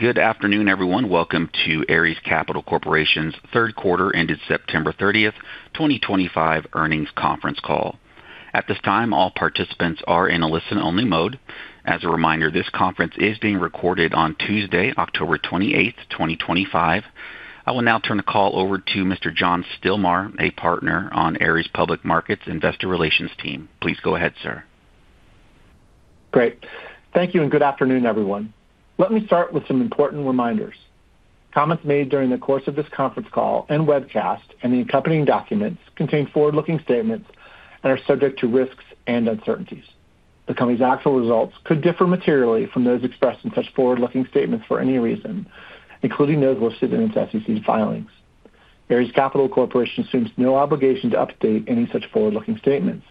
Good afternoon, everyone. Welcome to Ares Capital Corporation's third quarter ended September 30, 2025, earnings conference call. At this time, all participants are in a listen-only mode. As a reminder, this conference is being recorded on Tuesday, October 28, 2025. I will now turn the call over to Mr. John Stilmar, a Partner on Ares Public Markets' Investor Relations team. Please go ahead, sir. Great. Thank you and good afternoon, everyone. Let me start with some important reminders. Comments made during the course of this conference call and webcast and the accompanying documents contain forward-looking statements and are subject to risks and uncertainties. The company's actual results could differ materially from those expressed in such forward-looking statements for any reason, including those listed in its SEC filings. Ares Capital Corporation assumes no obligation to update any such forward-looking statements.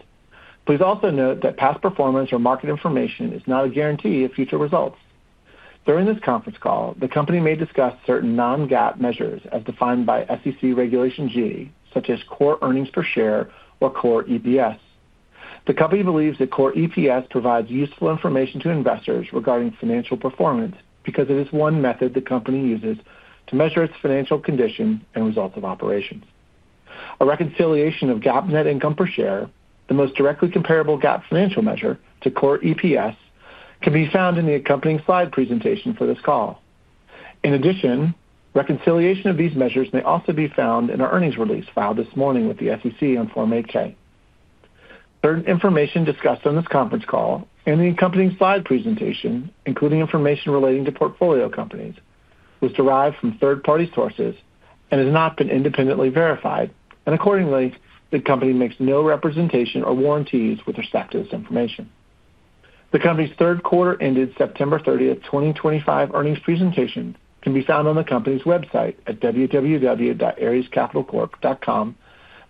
Please also note that past performance or market information is not a guarantee of future results. During this conference call, the company may discuss certain non-GAAP measures as defined by SEC Regulation G, such as core earnings per share or core EPS. The company believes that core EPS provides useful information to investors regarding financial performance because it is one method the company uses to measure its financial condition and results of operations. A reconciliation of GAAP net income per share, the most directly comparable GAAP financial measure, to core EPS can be found in the accompanying slide presentation for this call. In addition, reconciliation of these measures may also be found in our earnings release filed this morning with the SEC on Form 8-K. Certain information discussed on this conference call and the accompanying slide presentation, including information relating to portfolio companies, was derived from third-party sources and has not been independently verified, and accordingly, the company makes no representation or warranties with respect to this information. The company's third quarter ended September 30, 2025 earnings presentation can be found on the company's website at www.arescapitalcorp.com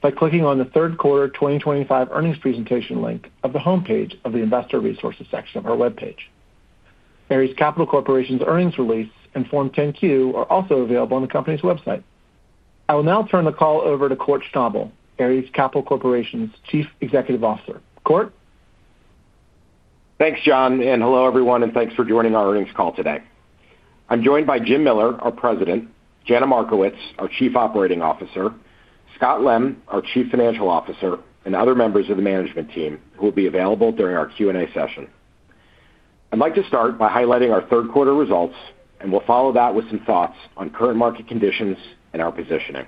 by clicking on the third quarter 2025 earnings presentation link of the homepage of the investor resources section of our webpage. Ares Capital Corporation's earnings release and Form 10-Q are also available on the company's website. I will now turn the call over to Kort Schnabel, Ares Capital Corporation's Chief Executive Officer. Kort? Thanks, John, and hello everyone, and thanks for joining our earnings call today. I'm joined by Jim Miller, our President, Jana Markowicz, our Chief Operating Officer, Scott Lem, our Chief Financial Officer, and other members of the management team who will be available during our Q&A session. I'd like to start by highlighting our third quarter results, and we'll follow that with some thoughts on current market conditions and our positioning.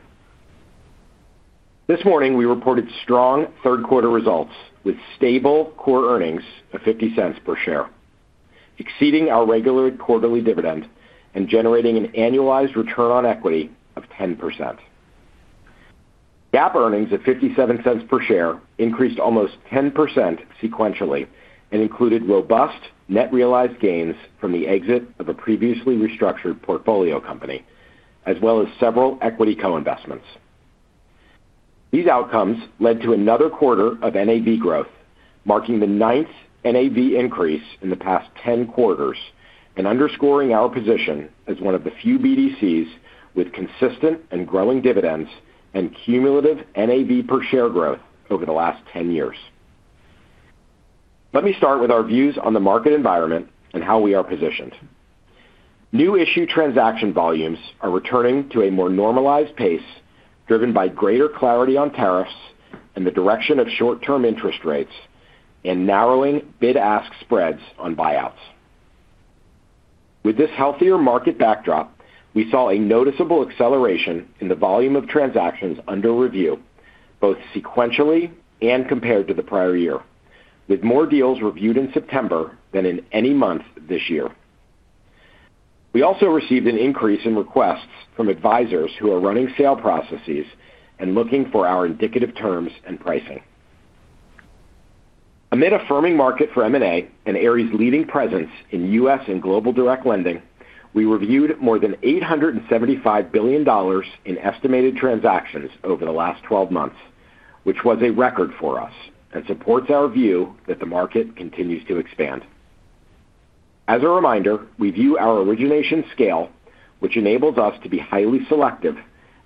This morning, we reported strong third quarter results with stable core earnings of $0.50 per share, exceeding our regular quarterly dividend and generating an annualized return on equity of 10%. GAAP earnings at $0.57 per share increased almost 10% sequentially and included robust net realized gains from the exit of a previously restructured portfolio company, as well as several equity co-investments. These outcomes led to another quarter of NAV growth, marking the ninth NAV increase in the past 10 quarters and underscoring our position as one of the few BDCs with consistent and growing dividends and cumulative NAV per share growth over the last 10 years. Let me start with our views on the market environment and how we are positioned. New issue transaction volumes are returning to a more normalized pace, driven by greater clarity on tariffs and the direction of short-term interest rates and narrowing bid-ask spreads on buyouts. With this healthier market backdrop, we saw a noticeable acceleration in the volume of transactions under review, both sequentially and compared to the prior year, with more deals reviewed in September than in any month this year. We also received an increase in requests from advisors who are running sale processes and looking for our indicative terms and pricing. Amid a firming market for M&A and Ares' leading presence in U.S. and global direct lending, we reviewed more than $875 billion in estimated transactions over the last 12 months, which was a record for us and supports our view that the market continues to expand. As a reminder, we view our origination scale, which enables us to be highly selective,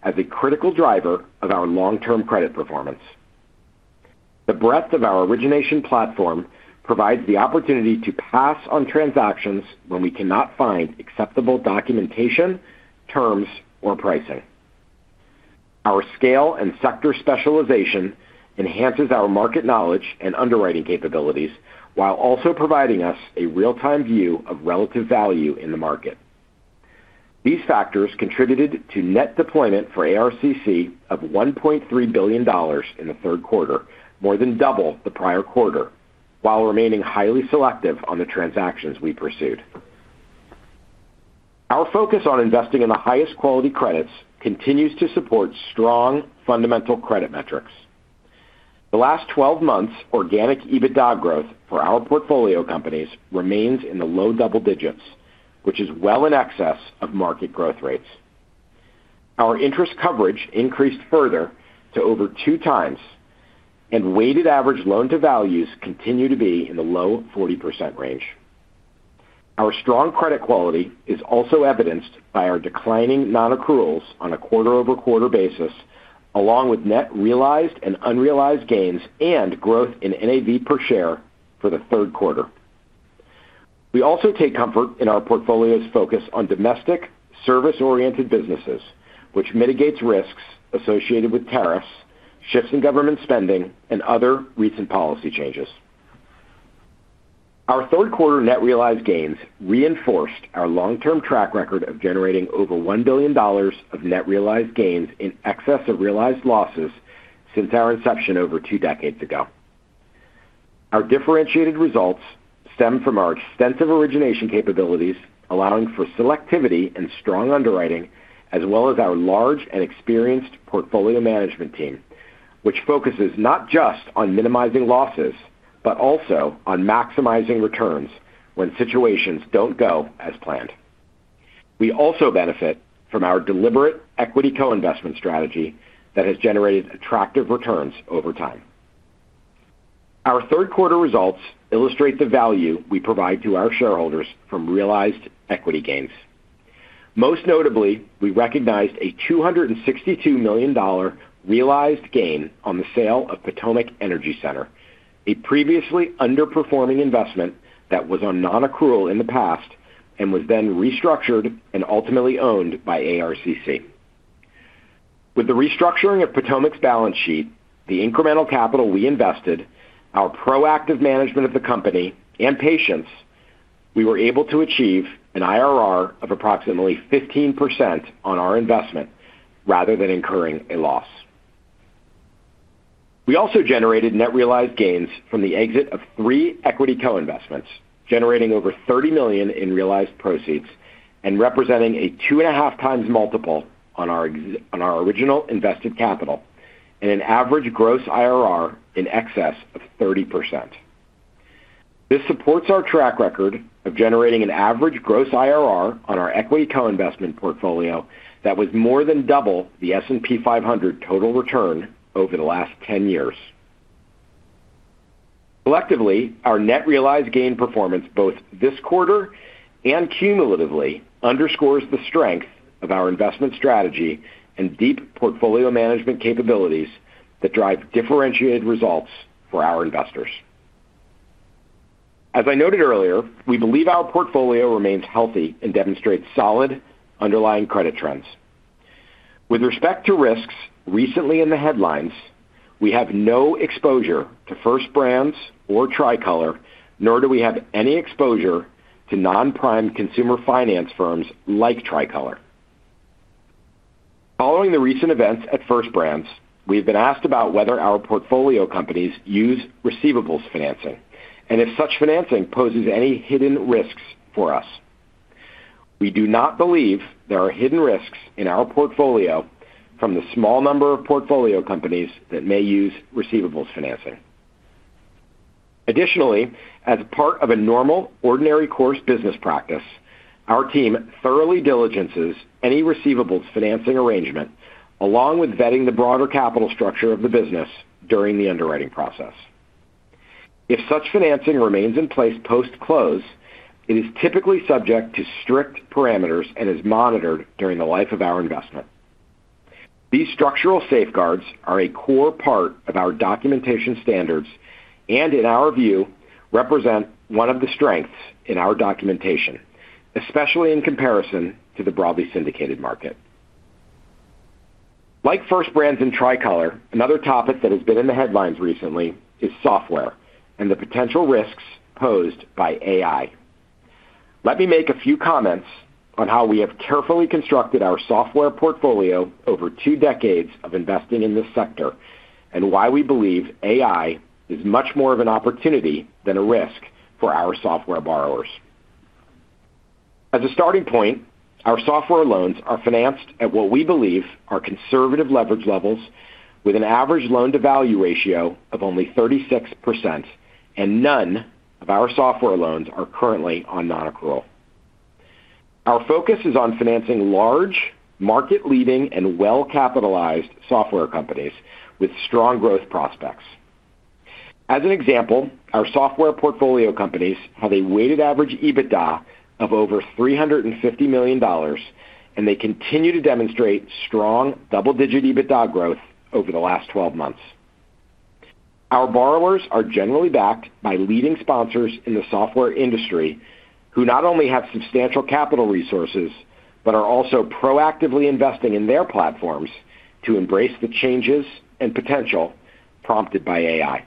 as a critical driver of our long-term credit performance. The breadth of our origination platform provides the opportunity to pass on transactions when we cannot find acceptable documentation, terms, or pricing. Our scale and sector specialization enhances our market knowledge and underwriting capabilities while also providing us a real-time view of relative value in the market. These factors contributed to net deployment for ARCC of $1.3 billion in the third quarter, more than double the prior quarter, while remaining highly selective on the transactions we pursued. Our focus on investing in the highest quality credits continues to support strong fundamental credit metrics. The last 12 months' organic EBITDA growth for our portfolio companies remains in the low double digits, which is well in excess of market growth rates. Our interest coverage increased further to over 2x, and weighted average loan-to-values continue to be in the low 40% range. Our strong credit quality is also evidenced by our declining non-accruals on a quarter-over-quarter basis, along with net realized and unrealized gains and growth in NAV per share for the third quarter. We also take comfort in our portfolio's focus on domestic service-oriented businesses, which mitigates risks associated with tariffs, shifts in government spending, and other recent policy changes. Our third quarter net realized gains reinforced our long-term track record of generating over $1 billion of net realized gains in excess of realized losses since our inception over two decades ago. Our differentiated results stem from our extensive origination capabilities, allowing for selectivity and strong underwriting, as well as our large and experienced portfolio management team, which focuses not just on minimizing losses, but also on maximizing returns when situations don't go as planned. We also benefit from our deliberate equity co-investment strategy that has generated attractive returns over time. Our third quarter results illustrate the value we provide to our shareholders from realized equity gains. Most notably, we recognized a $262 million realized gain on the sale of Potomac Energy Center, a previously underperforming investment that was on non-accrual in the past and was then restructured and ultimately owned by ARCC. With the restructuring of Potomac's balance sheet, the incremental capital we invested, our proactive management of the company, and patience, we were able to achieve an IRR of approximately 15% on our investment rather than incurring a loss. We also generated net realized gains from the exit of three equity co-investments, generating over $30 million in realized proceeds and representing a 2.5x multiple on our original invested capital and an average gross IRR in excess of 30%. This supports our track record of generating an average gross IRR on our equity co-investment portfolio that was more than double the S&P 500 total return over the last 10 years. Collectively, our net realized gain performance both this quarter and cumulatively underscores the strength of our investment strategy and deep portfolio management capabilities that drive differentiated results for our investors. As I noted earlier, we believe our portfolio remains healthy and demonstrates solid underlying credit trends. With respect to risks recently in the headlines, we have no exposure to First Brands or Tricolor, nor do we have any exposure to non-prime consumer finance firms like Tricolor. Following the recent events at First Brands, we've been asked about whether our portfolio companies use receivables financing and if such financing poses any hidden risks for us. We do not believe there are hidden risks in our portfolio from the small number of portfolio companies that may use receivables financing. Additionally, as part of a normal ordinary course business practice, our team thoroughly diligences any receivables financing arrangement, along with vetting the broader capital structure of the business during the underwriting process. If such financing remains in place post-close, it is typically subject to strict parameters and is monitored during the life of our investment. These structural safeguards are a core part of our documentation standards and, in our view, represent one of the strengths in our documentation, especially in comparison to the broadly syndicated market. Like First Brands and Tricolor, another topic that has been in the headlines recently is software and the potential risks posed by AI. Let me make a few comments on how we have carefully constructed our software portfolio over two decades of investing in this sector and why we believe AI is much more of an opportunity than a risk for our software borrowers. As a starting point, our software loans are financed at what we believe are conservative leverage levels with an average loan-to-value ratio of only 36%, and none of our software loans are currently on non-accrual. Our focus is on financing large, market-leading, and well-capitalized software companies with strong growth prospects. As an example, our software portfolio companies have a weighted average EBITDA of over $350 million, and they continue to demonstrate strong double-digit EBITDA growth over the last 12 months. Our borrowers are generally backed by leading sponsors in the software industry who not only have substantial capital resources but are also proactively investing in their platforms to embrace the changes and potential prompted by AI.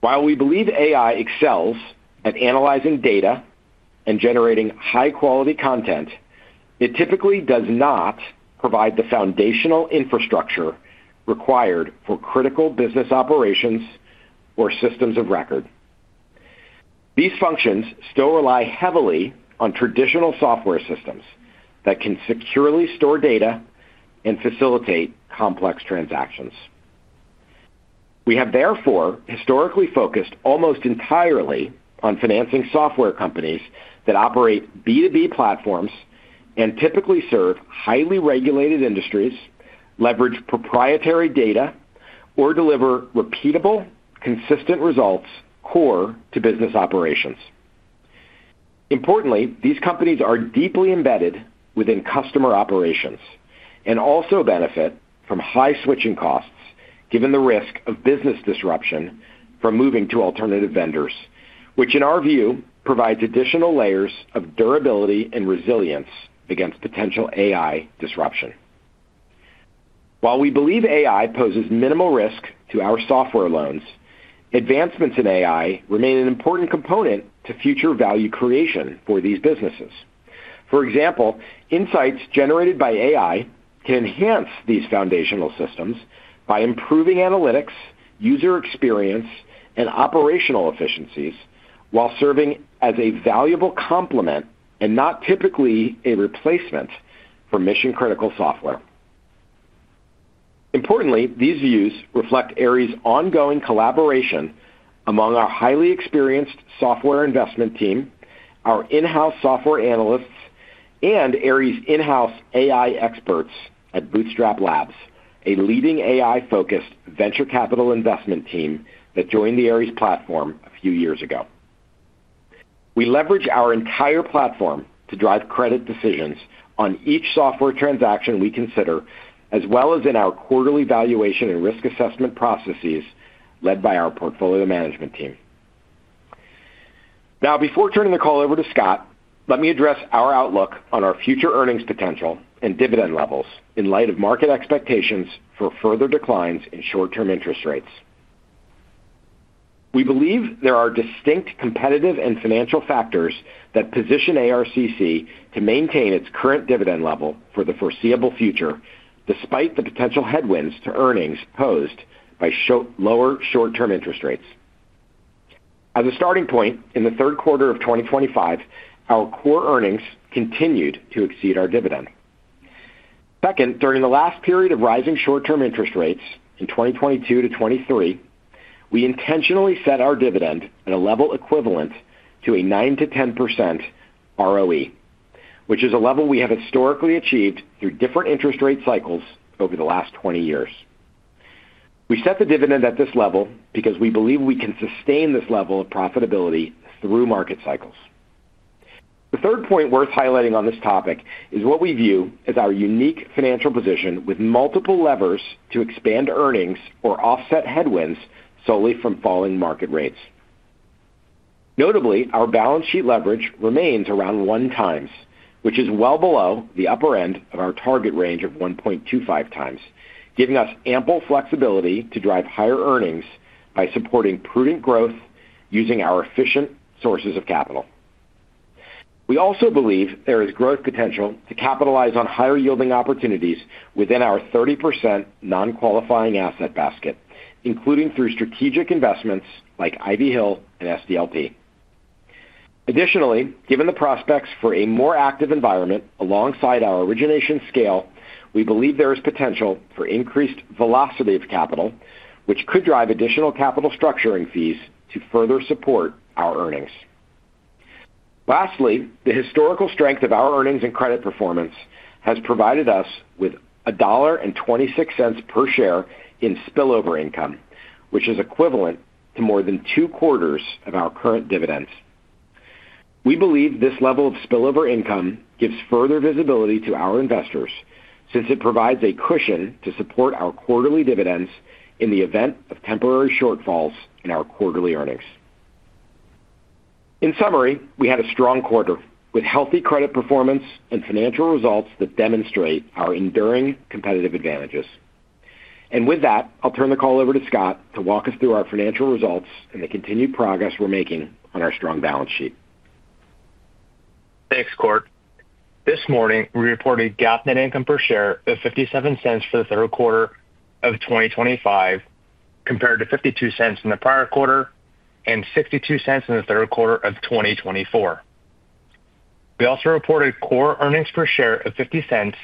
While we believe AI excels at analyzing data and generating high-quality content, it typically does not provide the foundational infrastructure required for critical business operations or systems of record. These functions still rely heavily on traditional software systems that can securely store data and facilitate complex transactions. We have therefore historically focused almost entirely on financing software companies that operate B2B platforms and typically serve highly regulated industries, leverage proprietary data, or deliver repeatable, consistent results core to business operations. Importantly, these companies are deeply embedded within customer operations and also benefit from high switching costs given the risk of business disruption from moving to alternative vendors, which in our view provides additional layers of durability and resilience against potential AI disruption. While we believe AI poses minimal risk to our software loans, advancements in AI remain an important component to future value creation for these businesses. For example, insights generated by AI can enhance these foundational systems by improving analytics, user experience, and operational efficiencies while serving as a valuable complement and not typically a replacement for mission-critical software. Importantly, these views reflect Ares Capital Corporation's ongoing collaboration among our highly experienced software investment team, our in-house software analysts, and Ares' in-house AI experts at Bootstrap Labs, a leading AI-focused venture capital investment team that joined the Ares platform a few years ago. We leverage our entire platform to drive credit decisions on each software transaction we consider, as well as in our quarterly valuation and risk assessment processes led by our portfolio management team. Now, before turning the call over to Scott Lem, let me address our outlook on our future earnings potential and dividend levels in light of market expectations for further declines in short-term interest rates. We believe there are distinct competitive and financial factors that position Ares Capital Corporation to maintain its current dividend level for the foreseeable future, despite the potential headwinds to earnings posed by lower short-term interest rates. As a starting point, in the third quarter of 2025, our core earnings continued to exceed our dividend. Second, during the last period of rising short-term interest rates in 2022 to 2023, we intentionally set our dividend at a level equivalent to a 9%-10% ROE, which is a level we have historically achieved through different interest rate cycles over the last 20 years. We set the dividend at this level because we believe we can sustain this level of profitability through market cycles. The third point worth highlighting on this topic is what we view as our unique financial position with multiple levers to expand earnings or offset headwinds solely from falling market rates. Notably, our balance sheet leverage remains around 1x, which is well below the upper end of our target range of 1.25x, giving us ample flexibility to drive higher earnings by supporting prudent growth using our efficient sources of capital. We also believe there is growth potential to capitalize on higher yielding opportunities within our 30% non-qualifying asset basket, including through strategic investments like Ivy Hill and SDLP. Additionally, given the prospects for a more active environment alongside our origination scale, we believe there is potential for increased velocity of capital, which could drive additional capital structuring fees to further support our earnings. Lastly, the historical strength of our earnings and credit performance has provided us with $1.26 per share in spillover income, which is equivalent to more than two quarters of our current dividends. We believe this level of spillover income gives further visibility to our investors since it provides a cushion to support our quarterly dividends in the event of temporary shortfalls in our quarterly earnings. In summary, we had a strong quarter with healthy credit performance and financial results that demonstrate our enduring competitive advantages. With that, I'll turn the call over to Scott to walk us through our financial results and the continued progress we're making on our strong balance sheet. Thanks, Kort. This morning, we reported GAAP net income per share of $0.57 for the third quarter of 2025 compared to $0.52 in the prior quarter and $0.62 in the third quarter of 2024. We also reported core earnings per share of $0.50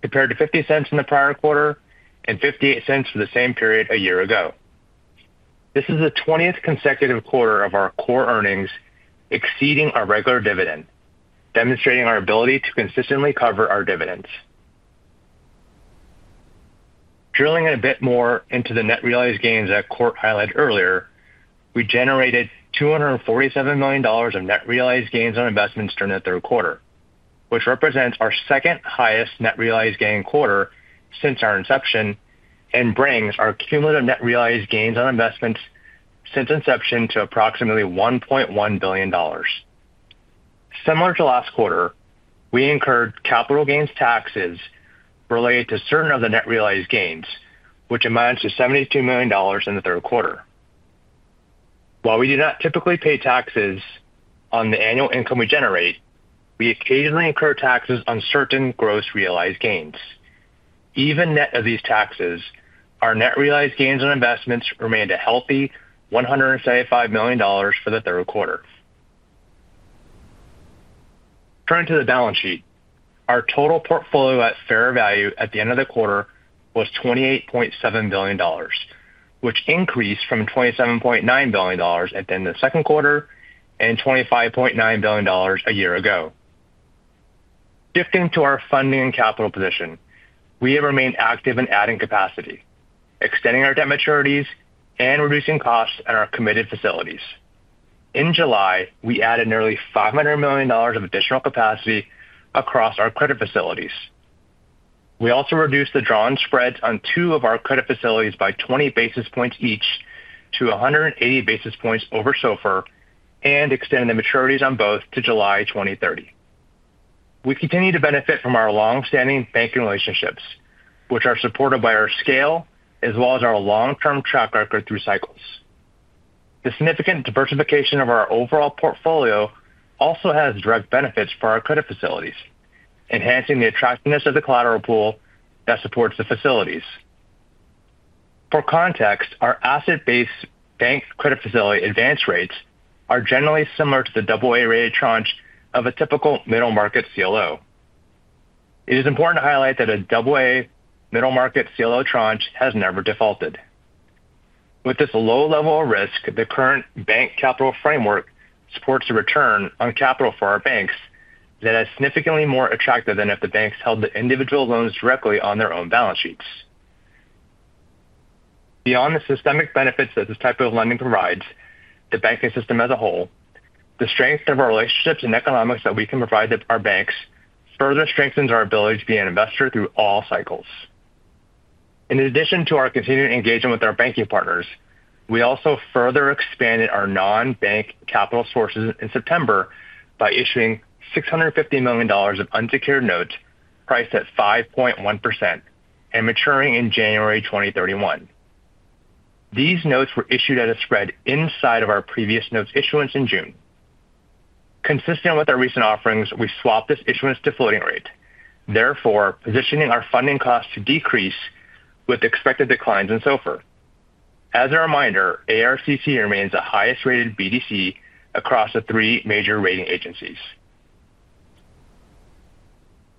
compared to $0.50 in the prior quarter and $0.58 for the same period a year ago. This is the 20th consecutive quarter of our core earnings exceeding our regular dividend, demonstrating our ability to consistently cover our dividends. Drilling a bit more into the net realized gains that Kort highlighted earlier, we generated $247 million of net realized gains on investments during the third quarter, which represents our second highest net realized gain quarter since our inception and brings our cumulative net realized gains on investments since inception to approximately $1.1 billion. Similar to last quarter, we incurred capital gains taxes related to certain of the net realized gains, which amounts to $72 million in the third quarter. While we do not typically pay taxes on the annual income we generate, we occasionally incur taxes on certain gross realized gains. Even net of these taxes, our net realized gains on investments remained a healthy $175 million for the third quarter. Turning to the balance sheet, our total portfolio at fair value at the end of the quarter was $28.7 billion, which increased from $27.9 billion at the end of the second quarter and $25.9 billion a year ago. Shifting to our funding and capital position, we have remained active in adding capacity, extending our debt maturities, and reducing costs at our committed facilities. In July, we added nearly $500 million of additional capacity across our credit facilities. We also reduced the drawn spreads on two of our credit facilities by 20 basis points each to 180 basis points over SOFR and extended the maturities on both to July 2030. We continue to benefit from our long-standing banking relationships, which are supported by our scale as well as our long-term track record through cycles. The significant diversification of our overall portfolio also has direct benefits for our credit facilities, enhancing the attractiveness of the collateral pool that supports the facilities. For context, our asset-based bank credit facility advance rates are generally similar to the AA rated tranche of a typical middle market CLO. It is important to highlight that a AA middle market CLO tranche has never defaulted. With this low level of risk, the current bank capital framework supports a return on capital for our banks that is significantly more attractive than if the banks held the individual loans directly on their own balance sheets. Beyond the systemic benefits that this type of lending provides the banking system as a whole, the strength of our relationships and economics that we can provide our banks further strengthens our ability to be an investor through all cycles. In addition to our continued engagement with our banking partners, we also further expanded our non-bank capital sources in September by issuing $650 million of unsecured notes priced at 5.1% and maturing in January 2031. These notes were issued at a spread inside of our previous notes issuance in June. Consistent with our recent offerings, we swapped this issuance to floating rate, therefore positioning our funding costs to decrease with expected declines in SOFR. As a reminder, ARCC remains the highest rated BDC across the three major rating agencies.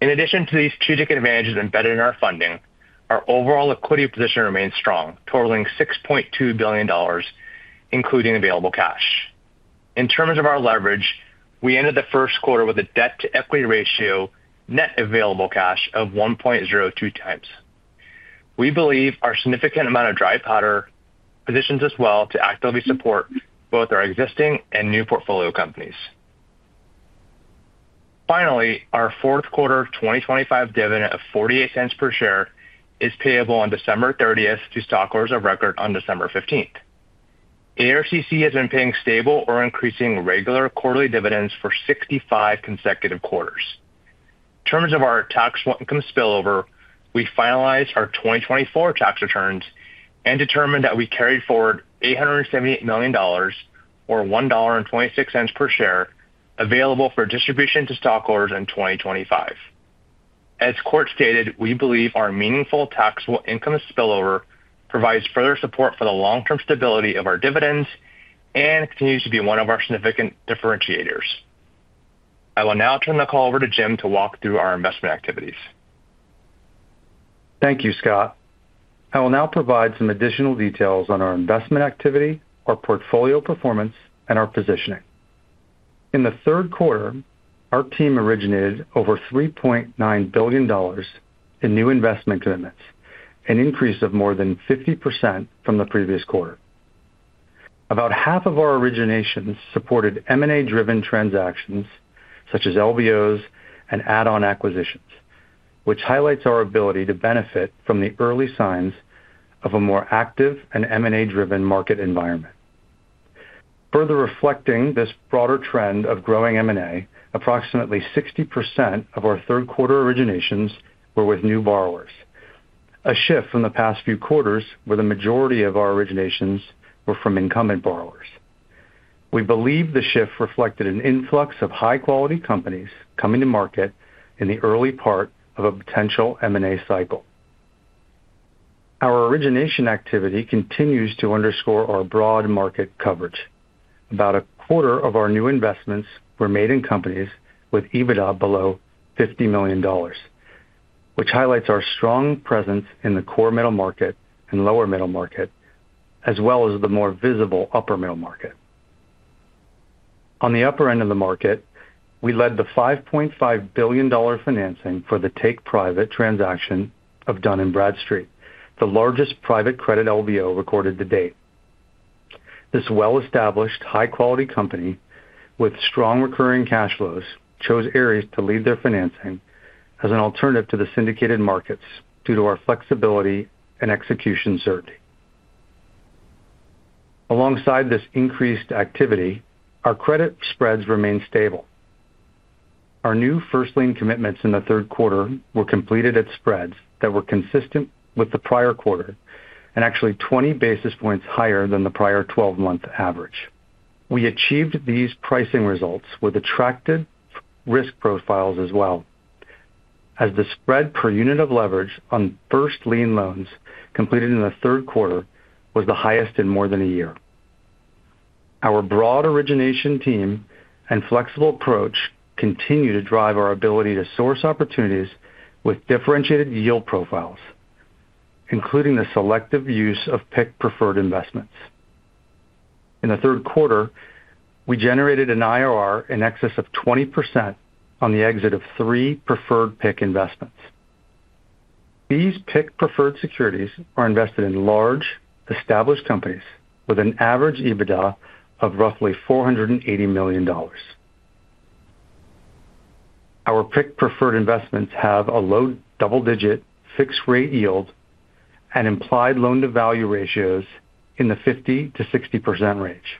In addition to these strategic advantages embedded in our funding, our overall liquidity position remains strong, totaling $6.2 billion, including available cash. In terms of our leverage, we ended the first quarter with a debt-to-equity ratio net available cash of 1.02x. We believe our significant amount of dry powder positions us well to actively support both our existing and new portfolio companies. Finally, our fourth quarter 2025 dividend of $0.48 per share is payable on December 30 to stockholders of record on December 15. ARCC has been paying stable or increasing regular quarterly dividends for 65 consecutive quarters. In terms of our tax income spillover, we finalized our 2024 tax returns and determined that we carried forward $878 million or $1.26 per share available for distribution to stockholders in 2025. As Kort stated, we believe our meaningful taxable income spillover provides further support for the long-term stability of our dividends and continues to be one of our significant differentiators. I will now turn the call over to Jim to walk through our investment activities. Thank you, Scott. I will now provide some additional details on our investment activity, our portfolio performance, and our positioning. In the third quarter, our team originated over $3.9 billion in new investment commitments, an increase of more than 50% from the previous quarter. About half of our originations supported M&A-driven transactions such as LBOs and add-on acquisitions, which highlights our ability to benefit from the early signs of a more active and M&A-driven market environment. Further reflecting this broader trend of growing M&A, approximately 60% of our third quarter originations were with new borrowers, a shift from the past few quarters where the majority of our originations were from incumbent borrowers. We believe the shift reflected an influx of high-quality companies coming to market in the early part of a potential M&A cycle. Our origination activity continues to underscore our broad market coverage. About a quarter of our new investments were made in companies with EBITDA below $50 million, which highlights our strong presence in the core middle market and lower middle market, as well as the more visible upper middle market. On the upper end of the market, we led the $5.5 billion financing for the take-private transaction of Dun & Bradstreet, the largest private credit LBO recorded to date. This well-established, high-quality company with strong recurring cash flows chose Ares to lead their financing as an alternative to the syndicated markets due to our flexibility and execution certainty. Alongside this increased activity, our credit spreads remained stable. Our new first lien commitments in the third quarter were completed at spreads that were consistent with the prior quarter and actually 20 basis points higher than the prior 12-month average. We achieved these pricing results with attractive risk profiles as well, as the spread per unit of leverage on first lien loans completed in the third quarter was the highest in more than a year. Our broad origination team and flexible approach continue to drive our ability to source opportunities with differentiated yield profiles, including the selective use of PIK preferred investments. In the third quarter, we generated an IRR in excess of 20% on the exit of three preferred PIK investments. These PIK preferred securities are invested in large established companies with an average EBITDA of roughly $480 million. Our PIK preferred investments have a low double-digit fixed rate yield and implied loan-to-value ratios in the 50% to 60% range.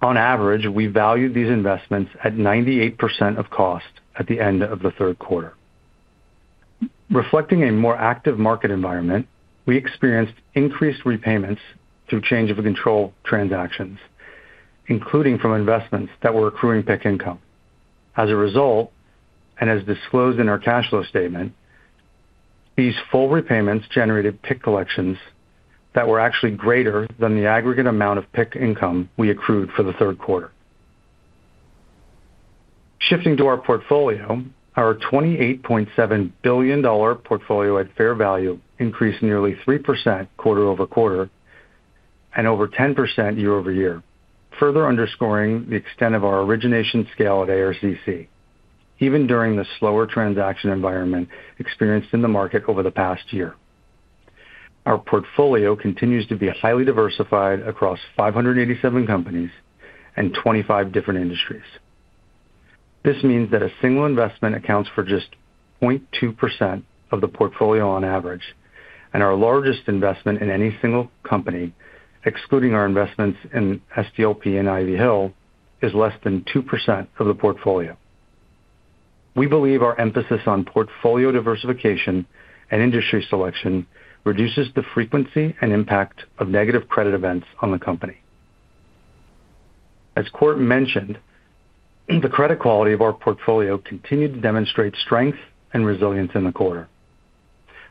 On average, we valued these investments at 98% of cost at the end of the third quarter. Reflecting a more active market environment, we experienced increased repayments through change of control transactions, including from investments that were accruing PIK income. As a result, and as disclosed in our cash flow statement, these full repayments generated PIK collections that were actually greater than the aggregate amount of PIK income we accrued for the third quarter. Shifting to our portfolio, our $28.7 billion portfolio at fair value increased nearly 3% quarter over quarter and over 10% year over year, further underscoring the extent of our origination scale at Ares Capital Corporation, even during the slower transaction environment experienced in the market over the past year. Our portfolio continues to be highly diversified across 587 companies and 25 different industries. This means that a single investment accounts for just 0.2% of the portfolio on average, and our largest investment in any single company, excluding our investments in SDLP and Ivy Hill, is less than 2% of the portfolio. We believe our emphasis on portfolio diversification and industry selection reduces the frequency and impact of negative credit events on the company. As Kort mentioned, the credit quality of our portfolio continued to demonstrate strength and resilience in the quarter.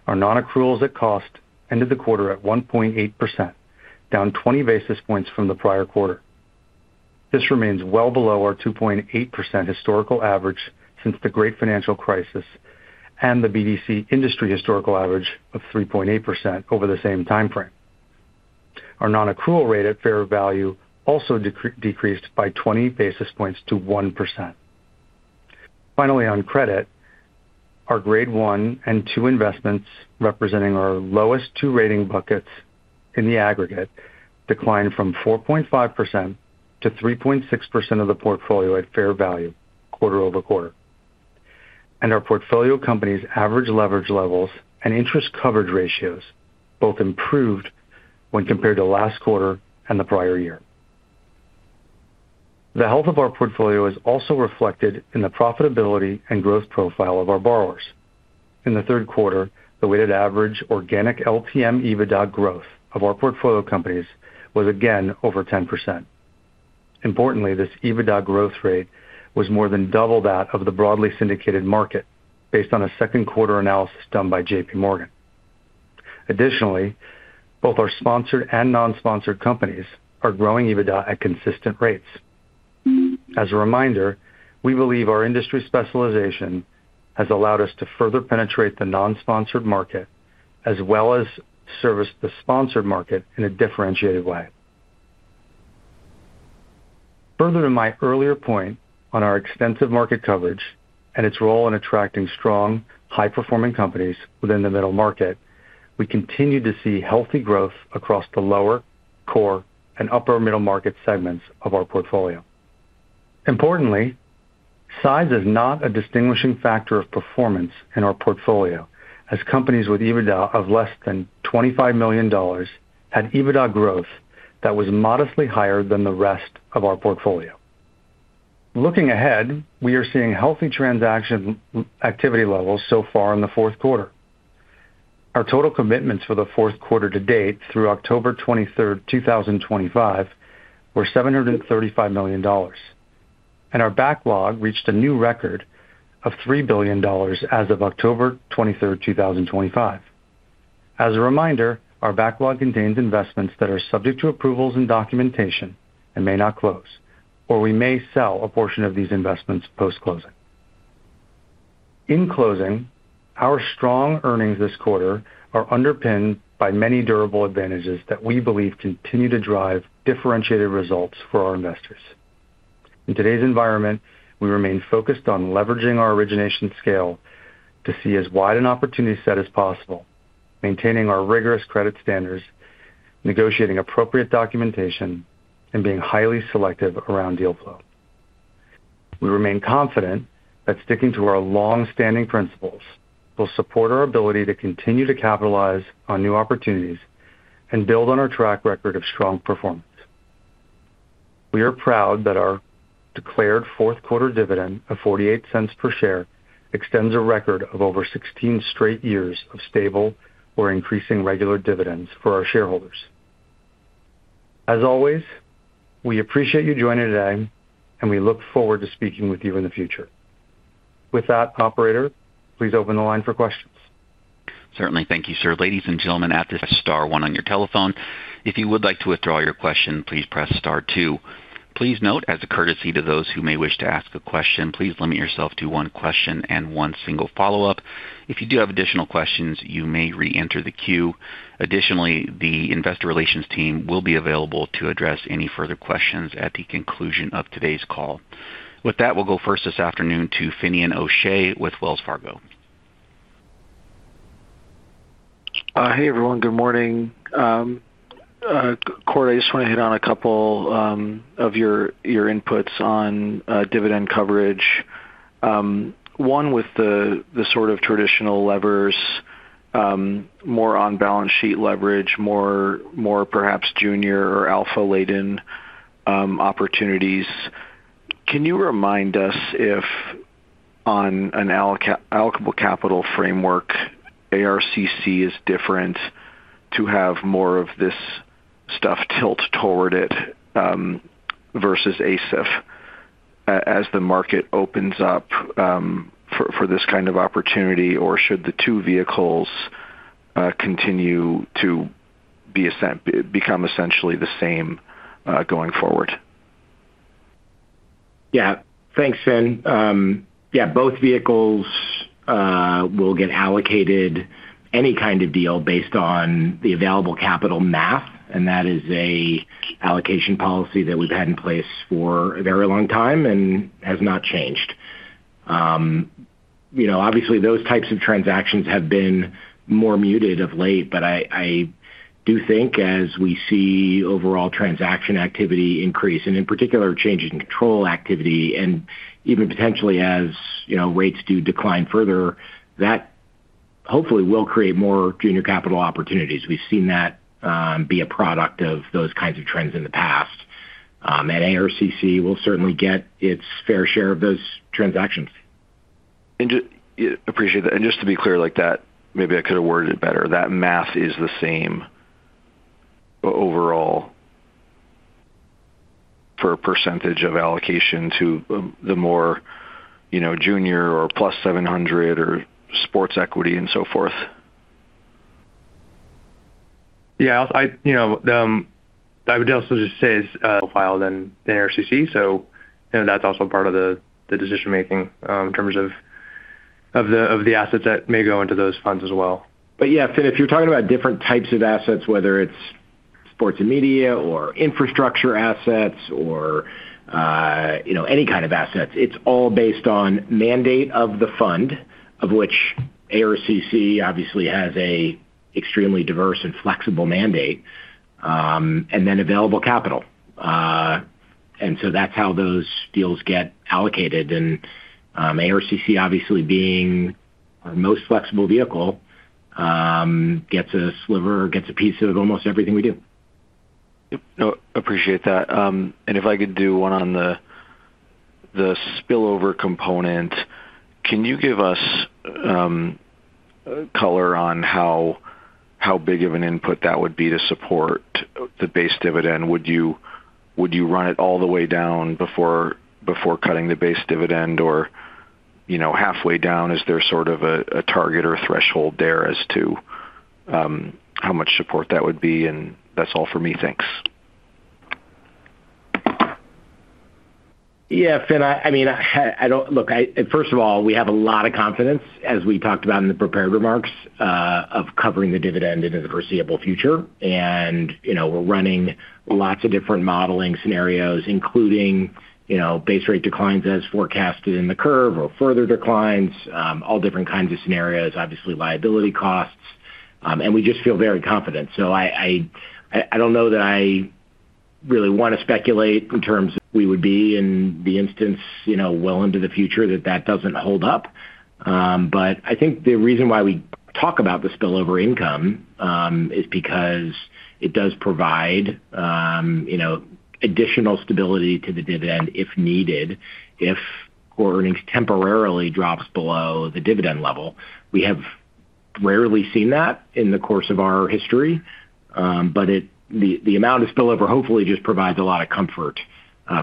Our non-accruals at cost ended the quarter at 1.8%, down 20 basis points from the prior quarter. This remains well below our 2.8% historical average since the Great Financial Crisis and the BDC industry historical average of 3.8% over the same timeframe. Our non-accrual rate at fair value also decreased by 20 basis points to 1%. Finally, on credit, our Grade 1 and 2 investments, representing our lowest two rating buckets in the aggregate, declined from 4.5% to 3.6% of the portfolio at fair value quarter over quarter. Our portfolio companies' average leverage levels and interest coverage ratios both improved when compared to last quarter and the prior year. The health of our portfolio is also reflected in the profitability and growth profile of our borrowers. In the third quarter, the weighted average organic LTM EBITDA growth of our portfolio companies was again over 10%. Importantly, this EBITDA growth rate was more than double that of the broadly syndicated market based on a second quarter analysis done by JPMorgan. Additionally, both our sponsored and non-sponsored companies are growing EBITDA at consistent rates. As a reminder, we believe our industry specialization has allowed us to further penetrate the non-sponsored market as well as service the sponsored market in a differentiated way. Further to my earlier point on our extensive market coverage and its role in attracting strong, high-performing companies within the middle market, we continue to see healthy growth across the lower, core, and upper middle market segments of our portfolio. Importantly, size is not a distinguishing factor of performance in our portfolio, as companies with EBITDA of less than $25 million had EBITDA growth that was modestly higher than the rest of our portfolio. Looking ahead, we are seeing healthy transaction activity levels so far in the fourth quarter. Our total commitments for the fourth quarter to date through October 23, 2025, were $735 million, and our backlog reached a new record of $3 billion as of October 23, 2025. As a reminder, our backlog contains investments that are subject to approvals and documentation and may not close, or we may sell a portion of these investments post-closing. In closing, our strong earnings this quarter are underpinned by many durable advantages that we believe continue to drive differentiated results for our investors. In today's environment, we remain focused on leveraging our origination scale to see as wide an opportunity set as possible, maintaining our rigorous credit standards, negotiating appropriate documentation, and being highly selective around deal flow. We remain confident that sticking to our long-standing principles will support our ability to continue to capitalize on new opportunities and build on our track record of strong performance. We are proud that our declared fourth quarter dividend of $0.48 per share extends a record of over 16 straight years of stable or increasing regular dividends for our shareholders. As always, we appreciate you joining today, and we look forward to speaking with you in the future. With that, operator, please open the line for questions. Certainly. Thank you, sir. Ladies and gentlemen, after, press star one on your telephone. If you would like to withdraw your question, please press star two. Please note, as a courtesy to those who may wish to ask a question, please limit yourself to one question and one single follow-up. If you do have additional questions, you may re-enter the queue. Additionally, the Investor Relations team will be available to address any further questions at the conclusion of today's call. With that, we'll go first this afternoon to Finian O'Shea with Wells Fargo. Hey, everyone. Good morning. Kort, I just want to hit on a couple of your inputs on dividend coverage. One with the sort of traditional levers, more on balance sheet leverage, more perhaps junior or alpha-laden opportunities. Can you remind us if on an allocable capital framework, Ares Capital Corporation is different to have more of this stuff tilt toward it versus ASIF as the market opens up for this kind of opportunity, or should the two vehicles continue to become essentially the same going forward? Yeah. Thanks, Finian. Yeah, both vehicles will get allocated any kind of deal based on the available capital math, and that is an allocation policy that we've had in place for a very long time and has not changed. Obviously, those types of transactions have been more muted of late, but I do think as we see overall transaction activity increase, and in particular, change in control activity, and even potentially as rates do decline further, that hopefully will create more junior capital opportunities. We've seen that be a product of those kinds of trends in the past, and Ares Capital Corporation will certainly get its fair share of those transactions. Appreciate that. Just to be clear, maybe I could have worded it better. That math is the same overall for a % of allocation to the more junior or plus 700 or sports equity and so forth. Yeah, I would also just say it's profiled in ARCC, so that's also part of the decision-making in terms of the assets that may go into those funds as well. Yeah, Finian, if you're talking about different types of assets, whether it's sports and media or infrastructure assets or any kind of assets, it's all based on the mandate of the fund, of which Ares Capital Corporation obviously has an extremely diverse and flexible mandate, and then available capital. That's how those deals get allocated, and Ares obviously being our most flexible vehicle gets a sliver, gets a piece of almost everything we do. No, appreciate that. If I could do one on the spillover component, can you give us color on how big of an input that would be to support the base dividend? Would you run it all the way down before cutting the base dividend or halfway down? Is there sort of a target or threshold there as to how much support that would be? That's all for me. Thanks. Yeah, Finian. I mean, I don't look, first of all, we have a lot of confidence, as we talked about in the prepared remarks, of covering the dividend in the foreseeable future. We're running lots of different modeling scenarios, including base rate declines as forecasted in the curve or further declines, all different kinds of scenarios, obviously liability costs, and we just feel very confident. I don't know that I really want to speculate in terms of we would be in the instance, you know, well into the future that that doesn't hold up. I think the reason why we talk about the spillover income is because it does provide additional stability to the dividend if needed if core earnings temporarily drops below the dividend level. We have rarely seen that in the course of our history, but the amount of spillover hopefully just provides a lot of comfort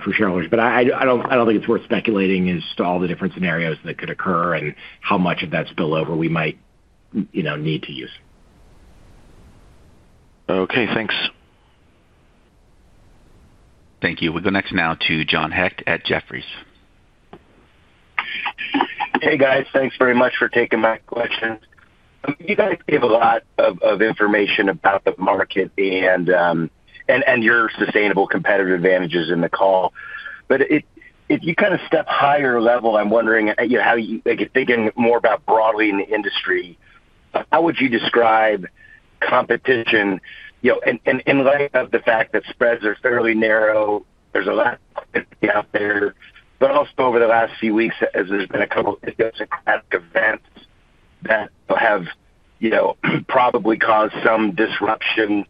for shareholders. I don't think it's worth speculating as to all the different scenarios that could occur and how much of that spillover we might need to use. Okay. Thanks. Thank you. We go next now to John Hecht at Jefferies. Hey, guys. Thanks very much for taking my question. You guys gave a lot of information about the market and your sustainable competitive advantages in the call. If you kind of step higher level, I'm wondering, you know, thinking more about broadly in the industry, how would you describe competition? In light of the fact that spreads are fairly narrow, there's a lot of competition out there, also over the last few weeks, as there's been a couple of idiosyncratic events that have probably caused some disruption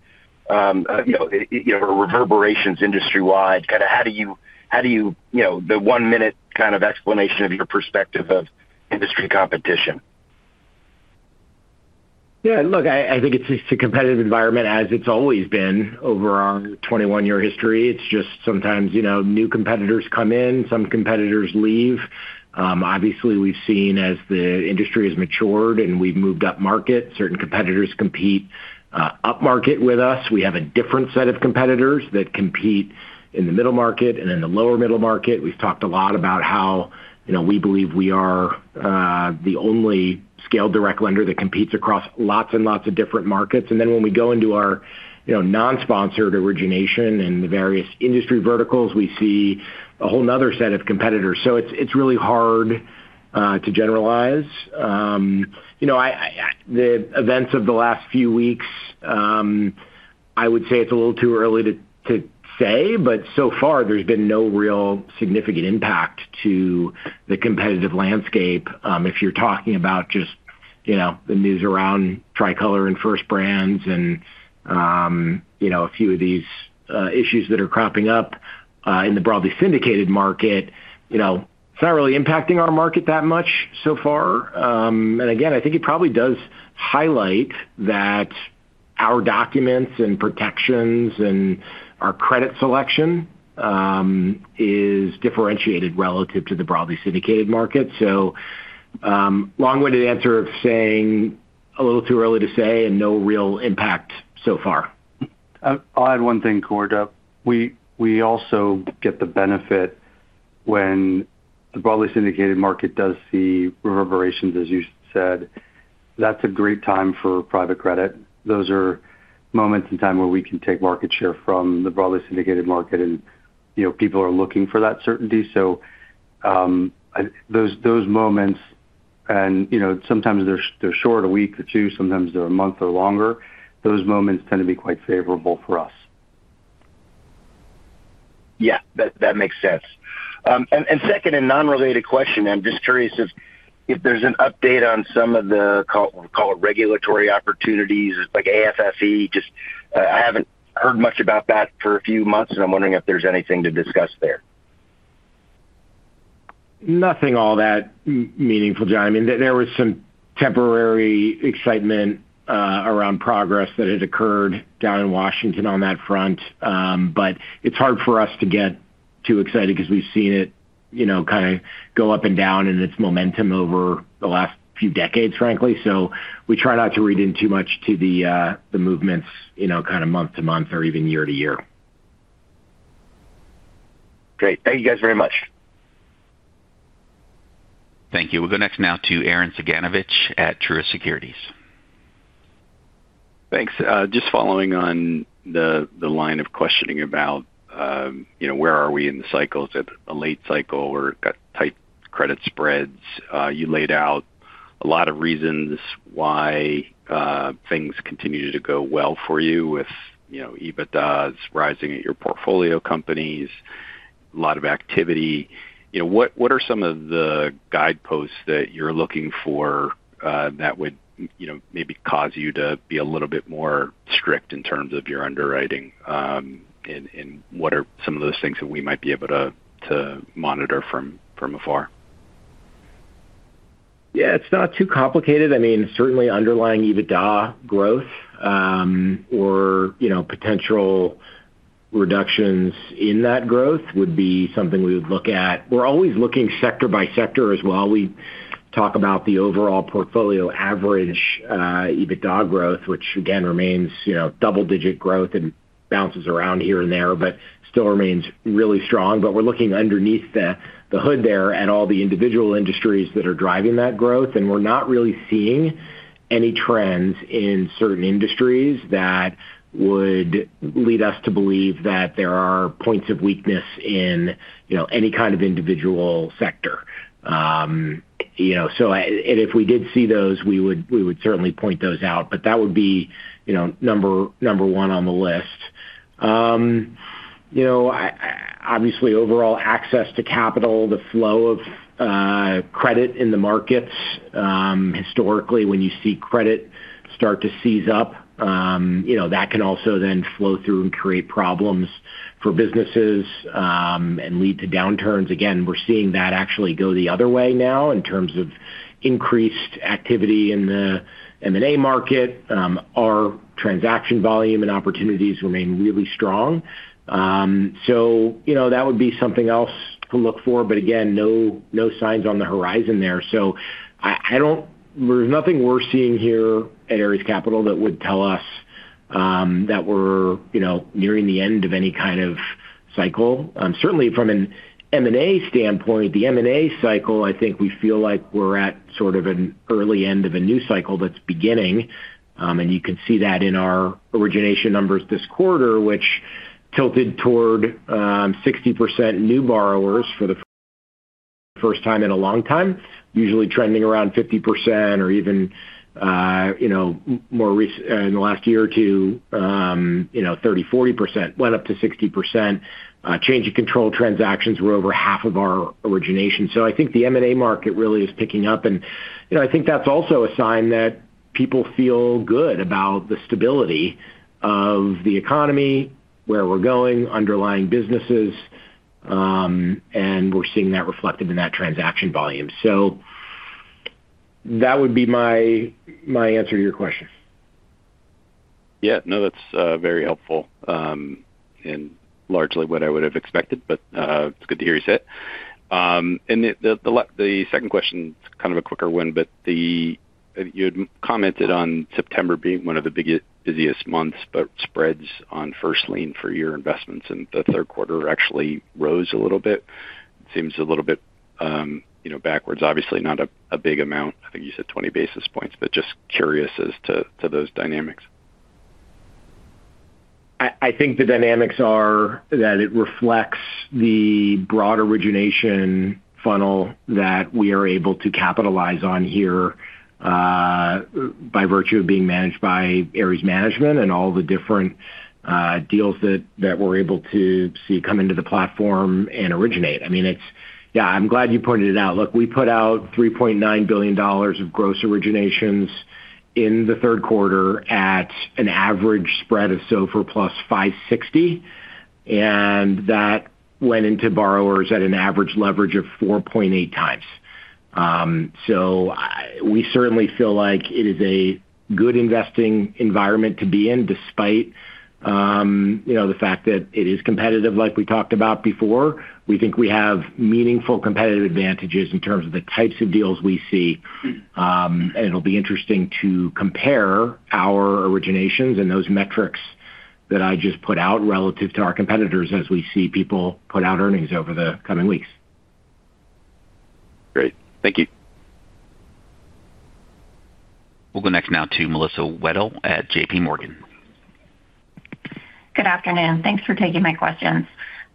or reverberations industry-wide, kind of how do you, you know, the one-minute kind of explanation of your perspective of industry competition? Yeah. Look, I think it's a competitive environment as it's always been over our 21-year history. Sometimes new competitors come in, some competitors leave. Obviously, we've seen as the industry has matured and we've moved up market, certain competitors compete up market with us. We have a different set of competitors that compete in the middle market and in the lower middle market. We've talked a lot about how we believe we are the only scaled direct lender that competes across lots and lots of different markets. When we go into our non-sponsored origination and the various industry verticals, we see a whole other set of competitors. It's really hard to generalize. The events of the last few weeks, I would say it's a little too early to say, but so far there's been no real significant impact to the competitive landscape. If you're talking about just the news around Tricolor and First Brands and a few of these issues that are cropping up in the broadly syndicated market, it's not really impacting our market that much so far. I think it probably does highlight that our documents and protections and our credit selection is differentiated relative to the broadly syndicated market. Long-winded answer of saying a little too early to say and no real impact so far. I'll add one thing, Kort. We also get the benefit when the broadly syndicated market does see reverberations, as you said. That's a great time for private credit. Those are moments in time where we can take market share from the broadly syndicated market, and you know, people are looking for that certainty. Those moments, and you know, sometimes they're short a week or two, sometimes they're a month or longer, tend to be quite favorable for us. That makes sense. Second, a non-related question, I'm just curious if there's an update on some of the, we'll call it regulatory opportunities like AFFE. I haven't heard much about that for a few months, and I'm wondering if there's anything to discuss there. Nothing all that meaningful, John. There was some temporary excitement around progress that had occurred down in Washington on that front, but it's hard for us to get too excited because we've seen it, you know, kind of go up and down in its momentum over the last few decades, frankly. We try not to read in too much to the movements, you know, kind of month to month or even year to year. Great. Thank you guys very much. Thank you. We'll go next now to Arren Cyganovich at Truist Securities. Thanks. Just following on the line of questioning about, you know, where are we in the cycle? Is it a late cycle or got tight credit spreads? You laid out a lot of reasons why things continue to go well for you with, you know, EBITDAs rising at your portfolio companies, a lot of activity. What are some of the guideposts that you're looking for that would, you know, maybe cause you to be a little bit more strict in terms of your underwriting? What are some of those things that we might be able to monitor from afar? Yeah. It's not too complicated. I mean, certainly underlying EBITDA growth or, you know, potential reductions in that growth would be something we would look at. We're always looking sector by sector as well. We talk about the overall portfolio average EBITDA growth, which again remains, you know, double-digit growth and bounces around here and there, but still remains really strong. We're looking underneath the hood there at all the individual industries that are driving that growth, and we're not really seeing any trends in certain industries that would lead us to believe that there are points of weakness in, you know, any kind of individual sector. If we did see those, we would certainly point those out. That would be, you know, number one on the list. Obviously, overall access to capital, the flow of credit in the markets. Historically, when you see credit start to seize up, you know, that can also then flow through and create problems for businesses and lead to downturns. Again, we're seeing that actually go the other way now in terms of increased activity in the M&A market. Our transaction volume and opportunities remain really strong. That would be something else to look for. Again, no signs on the horizon there. I don't—there's nothing we're seeing here at Ares Capital Corporation that would tell us that we're, you know, nearing the end of any kind of cycle. Certainly, from an M&A standpoint, the M&A cycle, I think we feel like we're at sort of an early end of a new cycle that's beginning. You can see that in our origination numbers this quarter, which tilted toward 60% new borrowers for the first time in a long time, usually trending around 50% or even, you know, more recent in the last year or two, you know, 30%, 40%, went up to 60%. Change in control transactions were over half of our origination. I think the M&A market really is picking up. I think that's also a sign that people feel good about the stability of the economy, where we're going, underlying businesses, and we're seeing that reflected in that transaction volume. That would be my answer to your question. Yeah, no, that's very helpful and largely what I would have expected, but it's good to hear you say it. The second question is kind of a quicker one, but you had commented on September being one of the busiest months, yet spreads on first lien for your investments in the third quarter actually rose a little bit. It seems a little bit backwards. Obviously, not a big amount. I think you said 20 basis points, but just curious as to those dynamics. I think the dynamics are that it reflects the broader origination funnel that we are able to capitalize on here by virtue of being managed by Ares Management and all the different deals that we're able to see come into the platform and originate. I'm glad you pointed it out. Look, we put out $3.9 billion of gross originations in the third quarter at an average spread of SOFR plus 560, and that went into borrowers at an average leverage of 4.8x. We certainly feel like it is a good investing environment to be in despite the fact that it is competitive like we talked about before. We think we have meaningful competitive advantages in terms of the types of deals we see. It will be interesting to compare our originations and those metrics that I just put out relative to our competitors as we see people put out earnings over the coming weeks. Great, thank you. We'll go next now to Melissa Wedel at JPMorgan. Good afternoon. Thanks for taking my questions.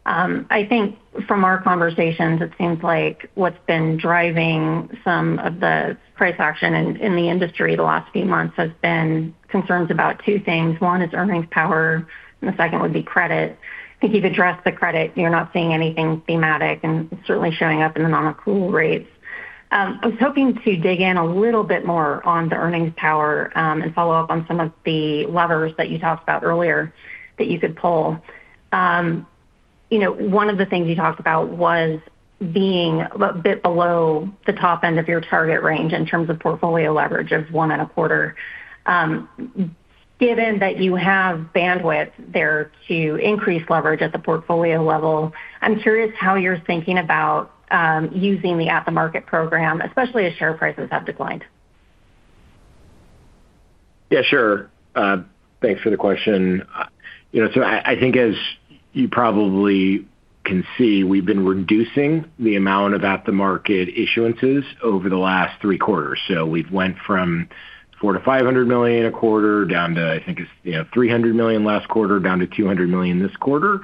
I think from our conversations, it seems like what's been driving some of the price action in the industry the last few months has been concerns about two things. One is earnings power, and the second would be credit. I think you've addressed the credit. You're not seeing anything thematic and certainly showing up in the non-accrual rates. I was hoping to dig in a little bit more on the earnings power and follow up on some of the levers that you talked about earlier that you could pull. One of the things you talked about was being a bit below the top end of your target range in terms of portfolio leverage of 1.25. Given that you have bandwidth there to increase leverage at the portfolio level, I'm curious how you're thinking about using the at-the-market program, especially as share prices have declined. Yeah, sure. Thanks for the question. I think as you probably can see, we've been reducing the amount of at-the-market issuances over the last three quarters. We've went from $400 million to $500 million a quarter down to, I think it's $300 million last quarter, down to $200 million this quarter.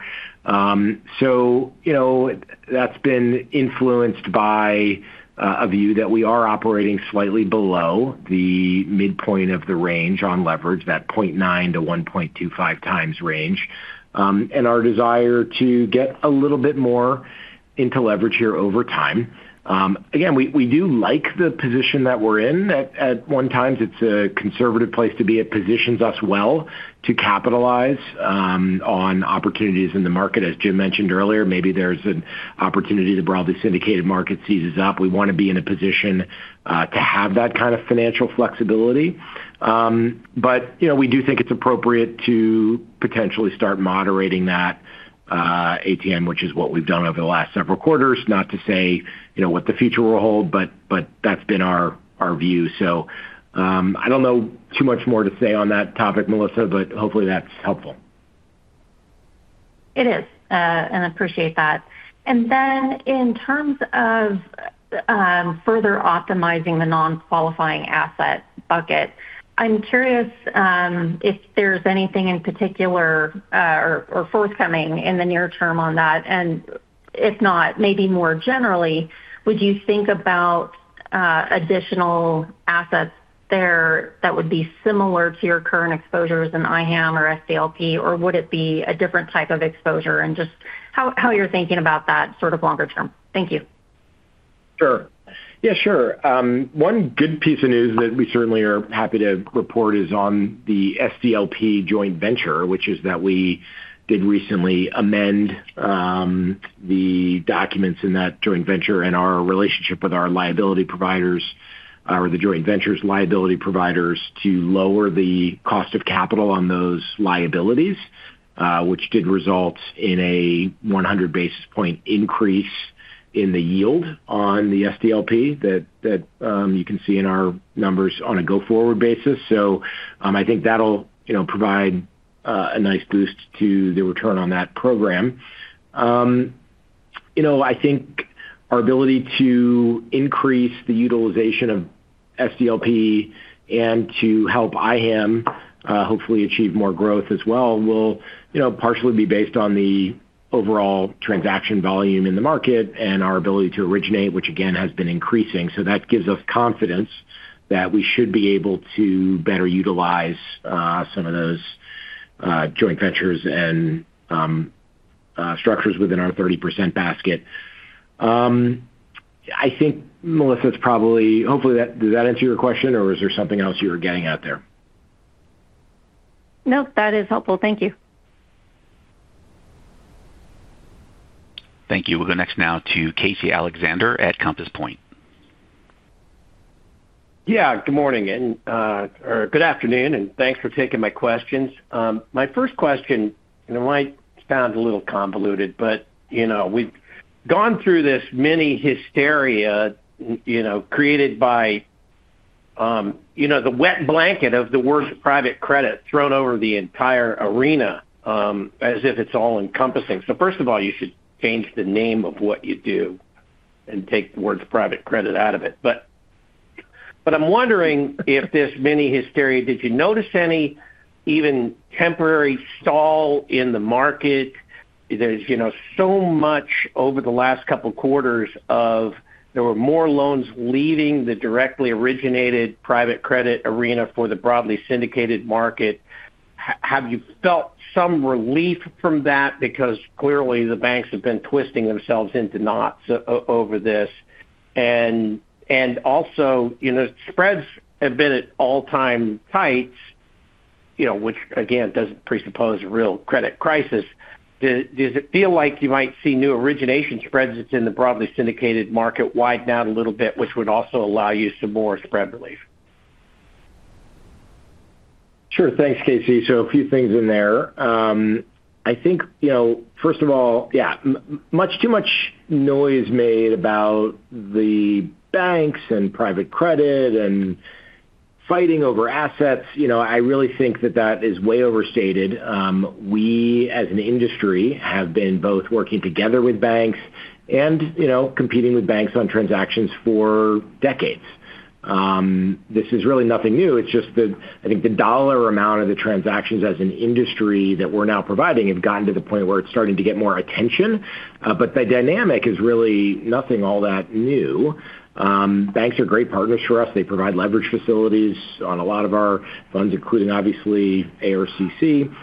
That's been influenced by a view that we are operating slightly below the midpoint of the range on leverage, that 0.9x-1.25x range, and our desire to get a little bit more into leverage here over time. We do like the position that we're in. At one time, it's a conservative place to be. It positions us well to capitalize on opportunities in the market. As Jim Miller mentioned earlier, maybe there's an opportunity the broadly syndicated market seizes up. We want to be in a position to have that kind of financial flexibility. We do think it's appropriate to potentially start moderating that ATM, which is what we've done over the last several quarters, not to say what the future will hold, but that's been our view. I don't know too much more to say on that topic, Melissa, but hopefully that's helpful. It is, and I appreciate that. In terms of further optimizing the non-qualifying asset bucket, I'm curious if there's anything in particular or forthcoming in the near term on that. If not, maybe more generally, would you think about additional assets there that would be similar to your current exposures in Ivy Hill or SDLP, or would it be a different type of exposure? Just how you're thinking about that sort of longer term. Thank you. Sure. One good piece of news that we certainly are happy to report is on the SDLP joint venture, which is that we did recently amend the documents in that joint venture and our relationship with our liability providers or the joint venture's liability providers to lower the cost of capital on those liabilities, which did result in a 100 basis point increase in the yield on the SDLP that you can see in our numbers on a go-forward basis. I think that'll provide a nice boost to the return on that program. I think our ability to increase the utilization of SDLP and to help IAM hopefully achieve more growth as well will partially be based on the overall transaction volume in the market and our ability to originate, which again has been increasing. That gives us confidence that we should be able to better utilize some of those joint ventures and structures within our 30% basket. I think, Melissa, hopefully, does that answer your question, or is there something else you were getting at there? Nope, that is helpful. Thank you. Thank you. We'll go next now to Casey Alexander at Compass Point. Yeah. Good morning and good afternoon, and thanks for taking my questions. My first question, and it might sound a little convoluted, but you know we've gone through this mini-hysteria, created by the wet blanket of the words private credit thrown over the entire arena as if it's all-encompassing. First of all, you should change the name of what you do and take the words private credit out of it. I'm wondering if this mini-hysteria, did you notice any even temporary stall in the market? There's so much over the last couple of quarters of there were more loans leaving the directly originated private credit arena for the broadly syndicated market. Have you felt some relief from that? Clearly, the banks have been twisting themselves into knots over this. Also, spreads have been at all-time heights, which again doesn't presuppose a real credit crisis. Does it feel like you might see new origination spreads that's in the broadly syndicated market widen out a little bit, which would also allow you some more spread relief? Sure. Thanks, Casey. A few things in there. First of all, much too much noise made about the banks and private credit and fighting over assets. I really think that is way overstated. We, as an industry, have been both working together with banks and competing with banks on transactions for decades. This is really nothing new. It's just that the dollar amount of the transactions as an industry that we're now providing have gotten to the point where it's starting to get more attention. The dynamic is really nothing all that new. Banks are great partners for us. They provide leverage facilities on a lot of our funds, including obviously ARCC.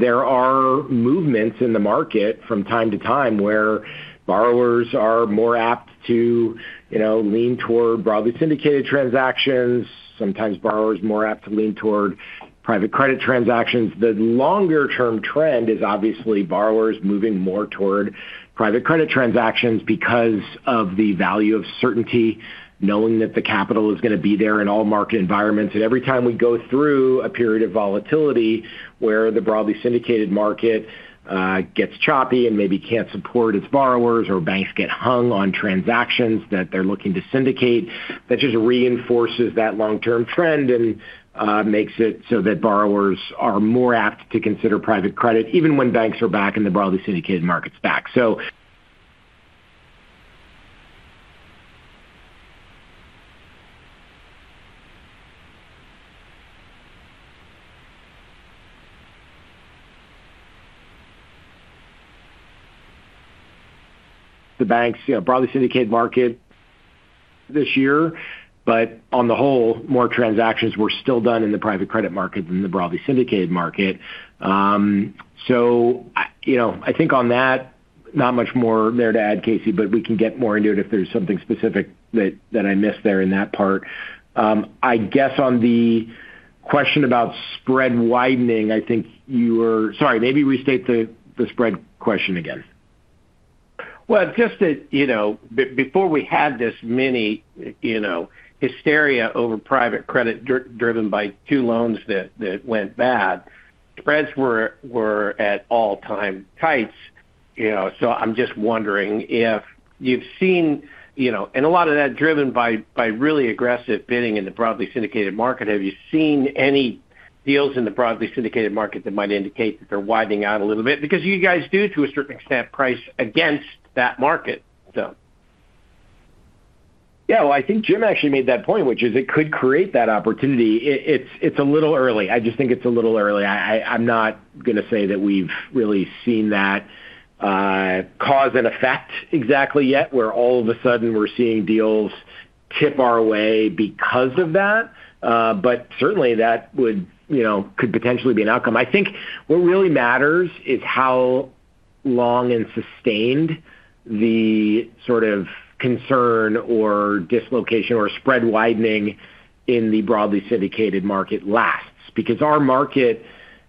There are movements in the market from time to time where borrowers are more apt to lean toward broadly syndicated transactions. Sometimes borrowers are more apt to lean toward private credit transactions. The longer-term trend is obviously borrowers moving more toward private credit transactions because of the value of certainty, knowing that the capital is going to be there in all market environments. Every time we go through a period of volatility where the broadly syndicated market gets choppy and maybe can't support its borrowers or banks get hung on transactions that they're looking to syndicate, that just reinforces that long-term trend and makes it so that borrowers are more apt to consider private credit even when banks are back in the broadly syndicated markets. The banks, broadly syndicated market this year, but on the whole, more transactions were still done in the private credit market than the broadly syndicated market. I think on that, not much more there to add, Casey, but we can get more into it if there's something specific that I missed there in that part. On the question about spread widening, I think you were, sorry, maybe restate the spread question again. Before we had this mini hysteria over private credit driven by two loans that went bad, spreads were at all-time heights. I'm just wondering if you've seen, and a lot of that driven by really aggressive bidding in the broadly syndicated market, have you seen any deals in the broadly syndicated market that might indicate that they're widening out a little bit? You guys do, to a certain extent, price against that market. I think Jim actually made that point, which is it could create that opportunity. It's a little early. I just think it's a little early. I'm not going to say that we've really seen that cause and effect exactly yet where all of a sudden we're seeing deals tip our way because of that. Certainly, that could potentially be an outcome. I think what really matters is how long and sustained the sort of concern or dislocation or spread widening in the broadly syndicated market lasts. Our market,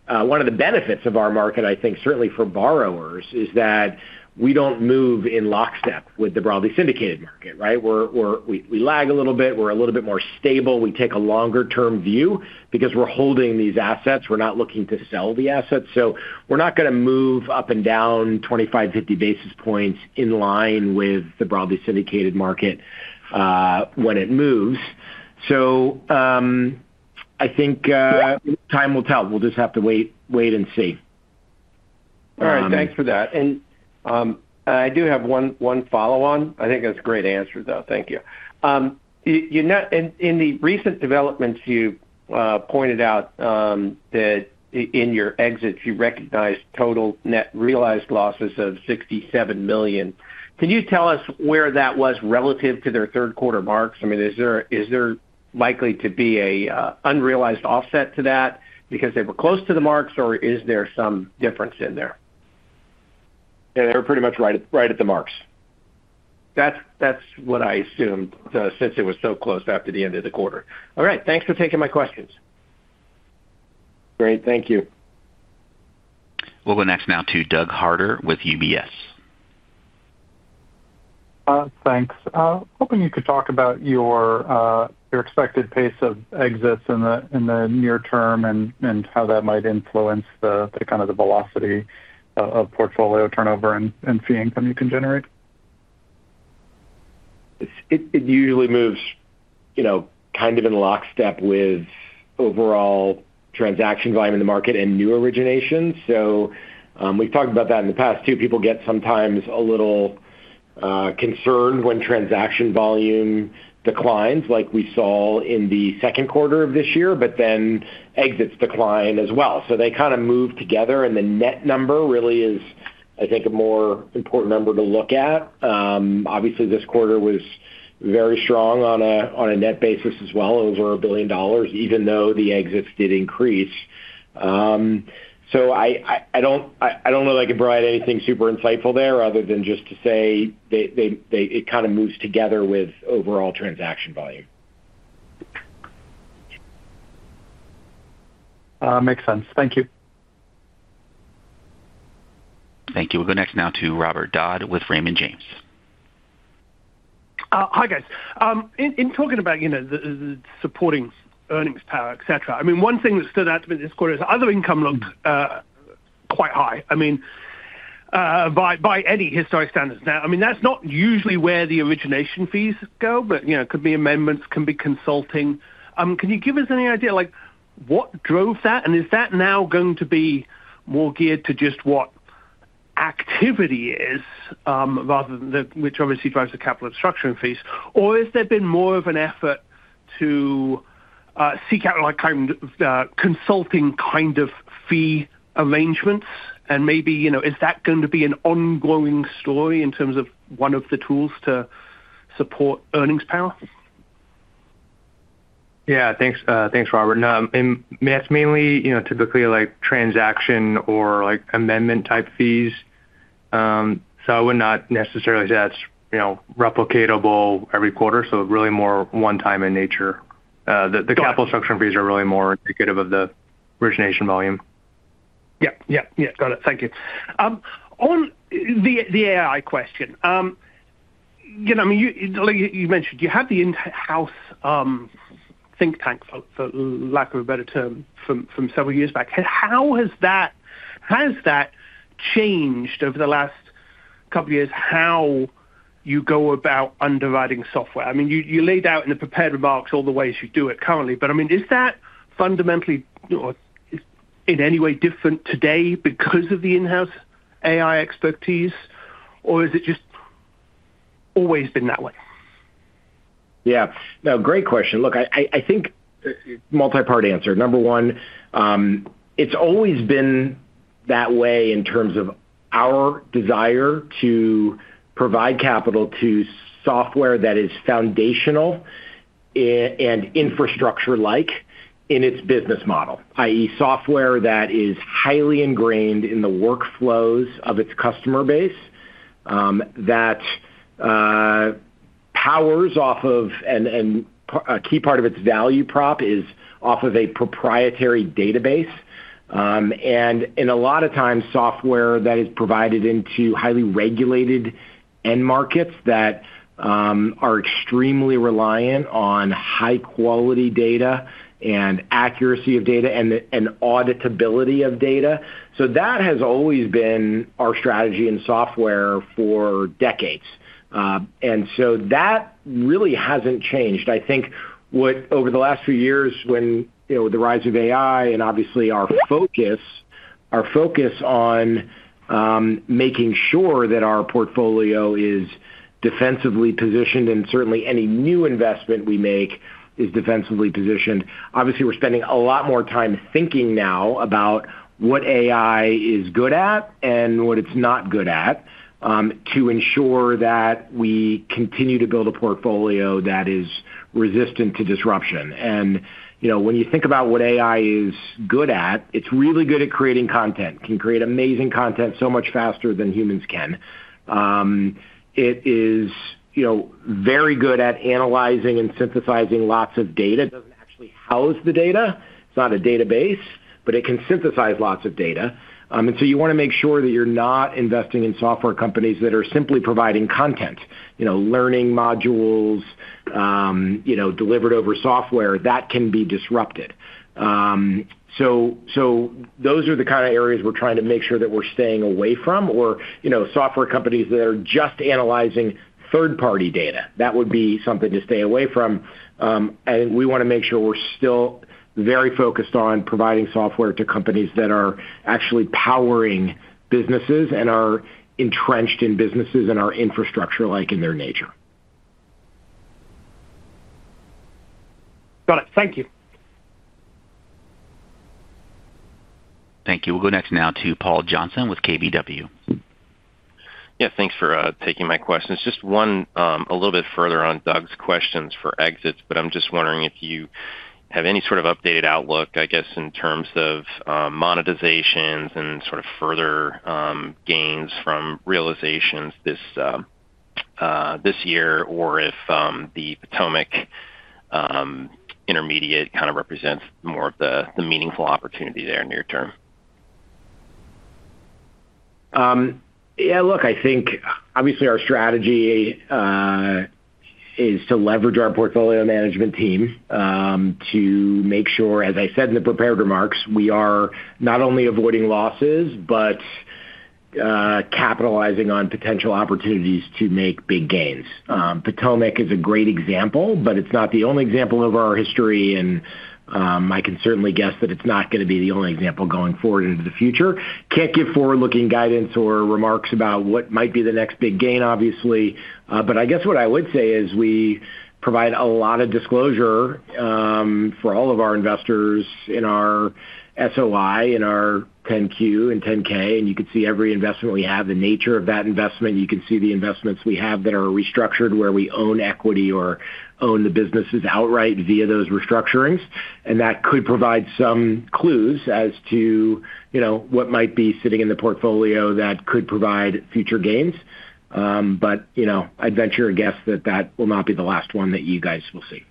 one of the benefits of our market, certainly for borrowers, is that we don't move in lockstep with the broadly syndicated market, right? We lag a little bit. We're a little bit more stable. We take a longer-term view because we're holding these assets. We're not looking to sell the assets. We're not going to move up and down 25, 50 basis points in line with the broadly syndicated market when it moves. I think time will tell. We'll just have to wait and see. All right. Thanks for that. I do have one follow-on. I think that's a great answer, though. Thank you. In the recent developments, you pointed out that in your exits, you recognized total net realized losses of $67 million. Can you tell us where that was relative to their third quarter marks? I mean, is there likely to be an unrealized offset to that because they were close to the marks, or is there some difference in there? Yeah, they were pretty much right at the marks. That's what I assumed, since it was so close after the end of the quarter. All right, thanks for taking my questions. Great, thank you. We'll go next now to Doug Harter with UBS. Thanks. Hoping you could talk about your expected pace of exits in the near term and how that might influence the velocity of portfolio turnover and fee income you can generate. It usually moves, you know, kind of in lockstep with overall transaction volume in the market and new originations. We've talked about that in the past too. People get sometimes a little concerned when transaction volume declines, like we saw in the second quarter of this year, but exits decline as well. They kind of move together, and the net number really is, I think, a more important number to look at. Obviously, this quarter was very strong on a net basis as well, over $1 billion, even though the exits did increase. I don't know that I can provide anything super insightful there other than just to say it kind of moves together with overall transaction volume. Makes sense. Thank you. Thank you. We'll go next now to Robert Dodd with Raymond James. Hi, guys. In talking about, you know, the supporting earnings power, etc., one thing that stood out to me this quarter is other income looks quite high, by any historic standards now. That's not usually where the origination fees go, but it could be amendments, can be consulting. Can you give us any idea what drove that? Is that now going to be more geared to just what activity is, rather than which obviously drives the capital structuring fees? Has there been more of an effort to seek out consulting kind of fee arrangements? Maybe, is that going to be an ongoing story in terms of one of the tools to support earnings power? Thank you, Robert. That's mainly, you know, typically like transaction or amendment-type fees. I would not necessarily say that's replicatable every quarter. It's really more one-time in nature. The capital structuring fees are really more indicative of the origination volume. Yep. Yep. Yeah. Got it. Thank you. On the AI question, you know, like you mentioned, you have the in-house think tank, for lack of a better term, from several years back. How has that changed over the last couple of years how you go about underwriting software? You laid out in the prepared remarks all the ways you do it currently, but is that fundamentally in any way different today because of the in-house AI expertise, or has it just always been that way? Yeah. No, great question. Look, I think it's a multi-part answer. Number one, it's always been that way in terms of our desire to provide capital to software that is foundational and infrastructure-like in its business model, i.e., software that is highly ingrained in the workflows of its customer base, that powers off of, and a key part of its value prop is off of a proprietary database. In a lot of times, software that is provided into highly regulated end markets that are extremely reliant on high-quality data and accuracy of data and auditability of data. That has always been our strategy in software for decades, so that really hasn't changed. I think over the last few years, with the rise of AI and obviously our focus on making sure that our portfolio is defensively positioned and certainly any new investment we make is defensively positioned, we're spending a lot more time thinking now about what AI is good at and what it's not good at to ensure that we continue to build a portfolio that is resistant to disruption. When you think about what AI is good at, it's really good at creating content, can create amazing content so much faster than humans can. It is very good at analyzing and synthesizing lots of data. It doesn't actually house the data. It's not a database, but it can synthesize lots of data. You want to make sure that you're not investing in software companies that are simply providing content, learning modules delivered over software that can be disrupted. Those are the kind of areas we're trying to make sure that we're staying away from, or software companies that are just analyzing third-party data. That would be something to stay away from. We want to make sure we're still very focused on providing software to companies that are actually powering businesses and are entrenched in businesses and are infrastructure-like in their nature. Got it. Thank you. Thank you. We'll go next to Paul Johnson with KBW. Yeah. Thanks for taking my questions. Just one a little bit further on Doug's questions for exits. I'm just wondering if you have any sort of updated outlook, I guess, in terms of monetizations and further gains from realizations this year, or if the Potomac intermediate kind of represents more of the meaningful opportunity there in the near term. Yeah. Look, I think obviously our strategy is to leverage our portfolio management team to make sure, as I said in the prepared remarks, we are not only avoiding losses but capitalizing on potential opportunities to make big gains. Potomac is a great example, but it's not the only example of our history, and I can certainly guess that it's not going to be the only example going forward into the future. I can't give forward-looking guidance or remarks about what might be the next big gain, obviously. What I would say is we provide a lot of disclosure for all of our investors in our SOI, in our 10-Q and 10-K, and you can see every investment we have, the nature of that investment. You can see the investments we have that are restructured where we own equity or own the businesses outright via those restructurings. That could provide some clues as to, you know, what might be sitting in the portfolio that could provide future gains. I'd venture a guess that that will not be the last one that you guys will see.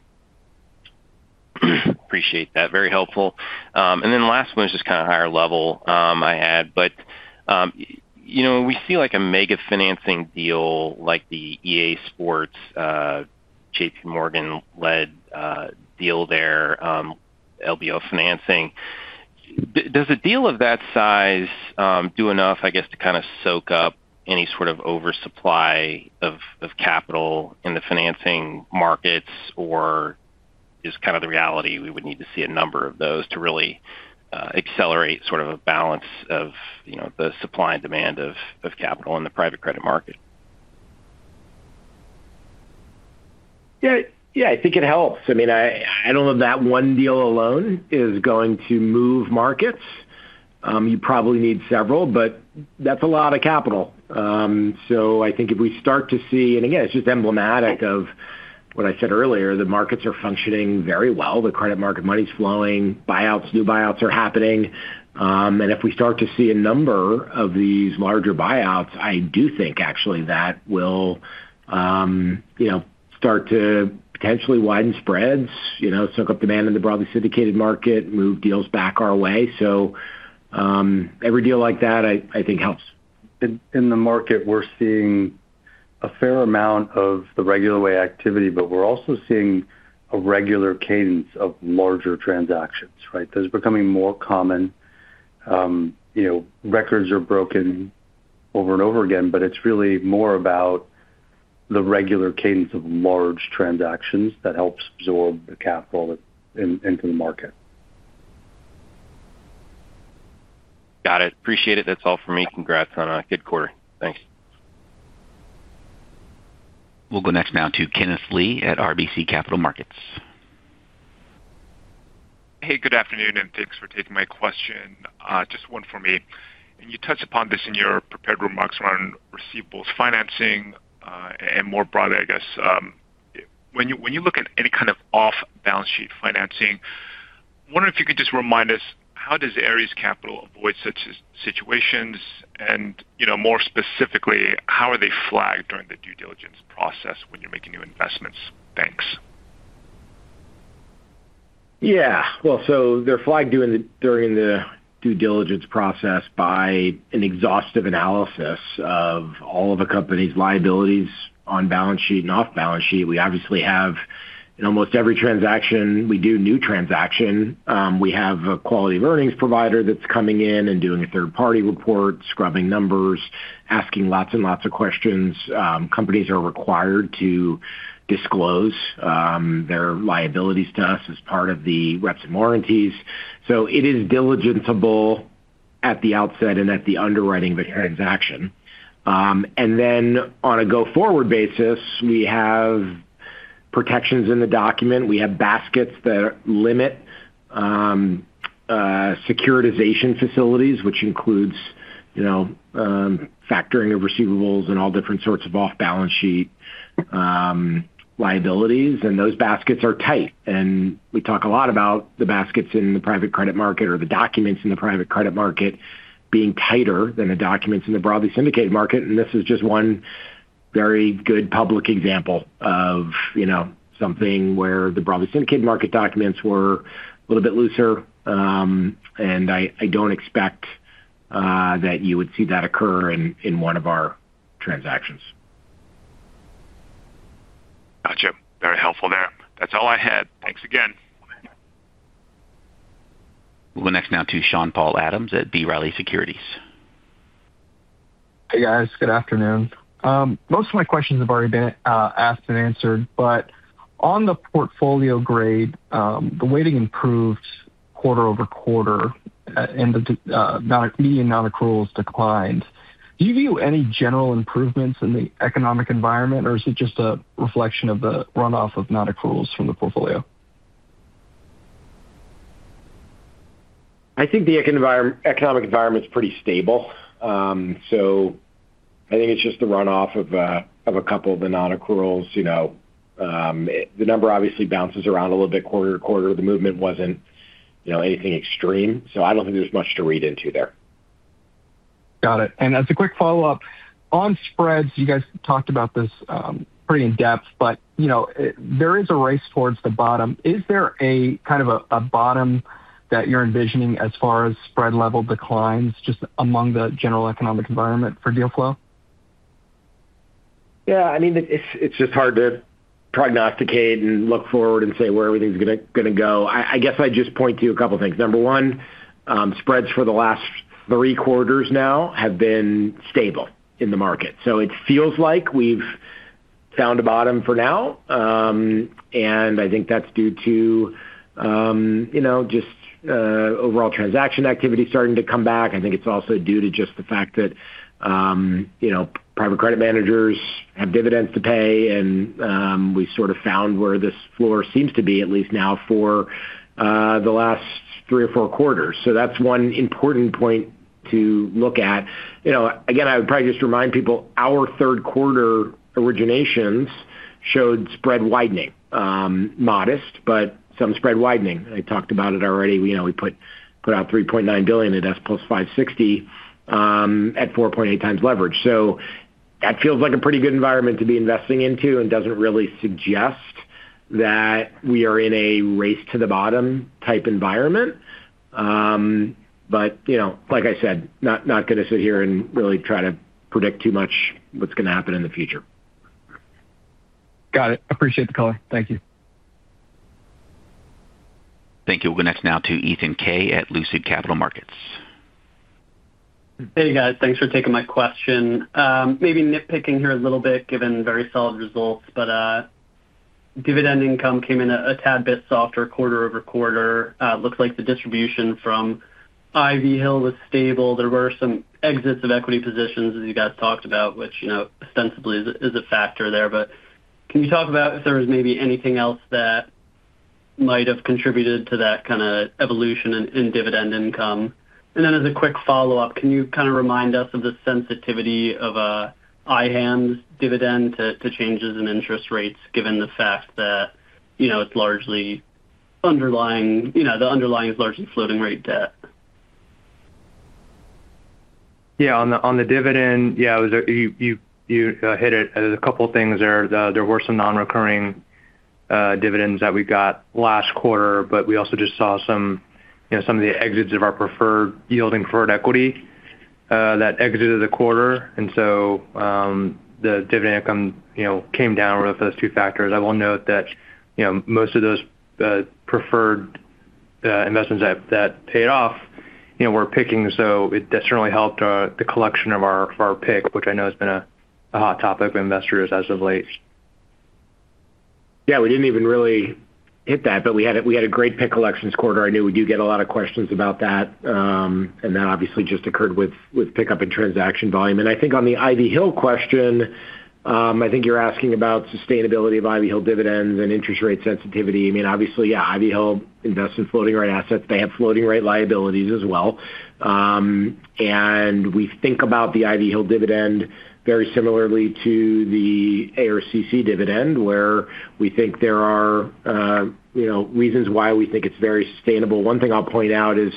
Appreciate that. Very helpful. The last one is just kind of a higher level I had. You know, we see like a mega financing deal like the EA Sports JPMorgan-led deal there, LBO financing. Does a deal of that size do enough, I guess, to kind of soak up any sort of oversupply of capital in the financing markets, or is kind of the reality we would need to see a number of those to really accelerate sort of a balance of the supply and demand of capital in the private credit market? Yeah, I think it helps. I mean, I don't know that one deal alone is going to move markets. You probably need several, but that's a lot of capital. If we start to see, and again, it's just emblematic of what I said earlier, the markets are functioning very well. The credit market money is flowing. Buyouts, new buyouts are happening. If we start to see a number of these larger buyouts, I do think actually that will start to potentially widen spreads, soak up demand in the broadly syndicated market, move deals back our way. Every deal like that, I think, helps. In the market, we're seeing a fair amount of the regular way activity, but we're also seeing a regular cadence of larger transactions, right? Those are becoming more common. You know, records are broken over and over again, but it's really more about the regular cadence of large transactions that helps absorb the capital into the market. Got it. Appreciate it. That's all for me. Congrats on a good quarter. Thanks. We'll go next to Kenneth Lee at RBC Capital Markets. Hey, good afternoon, and thanks for taking my question. Just one for me. You touched upon this in your prepared remarks around receivables financing, and more broadly, I guess. When you look at any kind of off-balance sheet financing, I'm wondering if you could just remind us how does Ares Capital avoid such situations? More specifically, how are they flagged during the due diligence process when you're making new investments with banks? They're flagged during the due diligence process by an exhaustive analysis of all of a company's liabilities on balance sheet and off-balance sheet. We obviously have, in almost every transaction we do, new transaction, we have a quality of earnings provider that's coming in and doing a third-party report, scrubbing numbers, asking lots and lots of questions. Companies are required to disclose their liabilities to us as part of the reps and warranties. It is diligenceable at the outset and at the underwriting of a transaction. On a go-forward basis, we have protections in the document. We have baskets that limit securitization facilities, which includes, you know, factoring of receivables and all different sorts of off-balance sheet liabilities. Those baskets are tight. We talk a lot about the baskets in the private credit market or the documents in the private credit market being tighter than the documents in the broadly syndicated market. This is just one very good public example of, you know, something where the broadly syndicated market documents were a little bit looser. I don't expect that you would see that occur in one of our transactions. Gotcha. Very helpful there. That's all I had. Thanks again. We'll go next now to Sean-Paul Adams at B. Riley Securities. Hey, guys. Good afternoon. Most of my questions have already been asked and answered. On the portfolio grade, the weighting improved quarter over quarter, and the median non-accruals declined. Do you view any general improvements in the economic environment, or is it just a reflection of the runoff of non-accruals from the portfolio? I think the economic environment is pretty stable. I think it's just the runoff of a couple of the non-accruals. You know, the number obviously bounces around a little bit quarter to quarter. The movement wasn't anything extreme. I don't think there's much to read into there. Got it. As a quick follow-up, on spreads, you guys talked about this pretty in-depth, but you know there is a race towards the bottom. Is there a kind of a bottom that you're envisioning as far as spread level declines just among the general economic environment for deal flow? Yeah. I mean, it's just hard to prognosticate and look forward and say where everything's going to go. I guess I'd just point to a couple of things. Number one, spreads for the last three quarters now have been stable in the market. It feels like we've found a bottom for now. I think that's due to just overall transaction activity starting to come back. I think it's also due to just the fact that private credit managers have dividends to pay. We sort of found where this floor seems to be, at least now for the last three or four quarters. That's one important point to look at. Again, I would probably just remind people our third quarter originations showed spread widening. Modest, but some spread widening. I talked about it already. We put out $3.9 billion in S plus 560 at 4.8x leverage. That feels like a pretty good environment to be investing into and doesn't really suggest that we are in a race to the bottom type environment. Like I said, not going to sit here and really try to predict too much what's going to happen in the future. Got it. Appreciate the color. Thank you. Thank you. We'll go next to Ethan Kaye at Lucid Capital Markets. Hey, guys. Thanks for taking my question. Maybe nitpicking here a little bit given very solid results, but dividend income came in a tad bit softer quarter over quarter. It looks like the distribution from Ivy Hill was stable. There were some exits of equity positions as you guys talked about, which you know ostensibly is a factor there. Can you talk about if there was maybe anything else that might have contributed to that kind of evolution in dividend income? As a quick follow-up, can you kind of remind us of the sensitivity of an Ivy Hill dividend to changes in interest rates given the fact that you know it's largely underlying, you know, the underlying is largely floating rate debt? Yeah. On the dividend, yeah, you hit it. There are a couple of things there. There were some non-recurring dividends that we got last quarter, but we also just saw some of the exits of our preferred yield and preferred equity that exited the quarter. The dividend income came down for those two factors. I will note that most of those preferred investments that paid off were PIK-ing. That certainly helped the collection of our PIK, which I know has been a hot topic of investors as of late. Yeah. We didn't even really hit that, but we had a great pick collections quarter. I know we do get a lot of questions about that, and that obviously just occurred with pickup in transaction volume. I think on the Ivy Hill question, I think you're asking about sustainability of Ivy Hill dividends and interest rate sensitivity. I mean, obviously, yeah, Ivy Hill invests in floating rate assets. They have floating rate liabilities as well. We think about the Ivy Hill dividend very similarly to the ARCC dividend where we think there are, you know, reasons why we think it's very sustainable. One thing I'll point out is,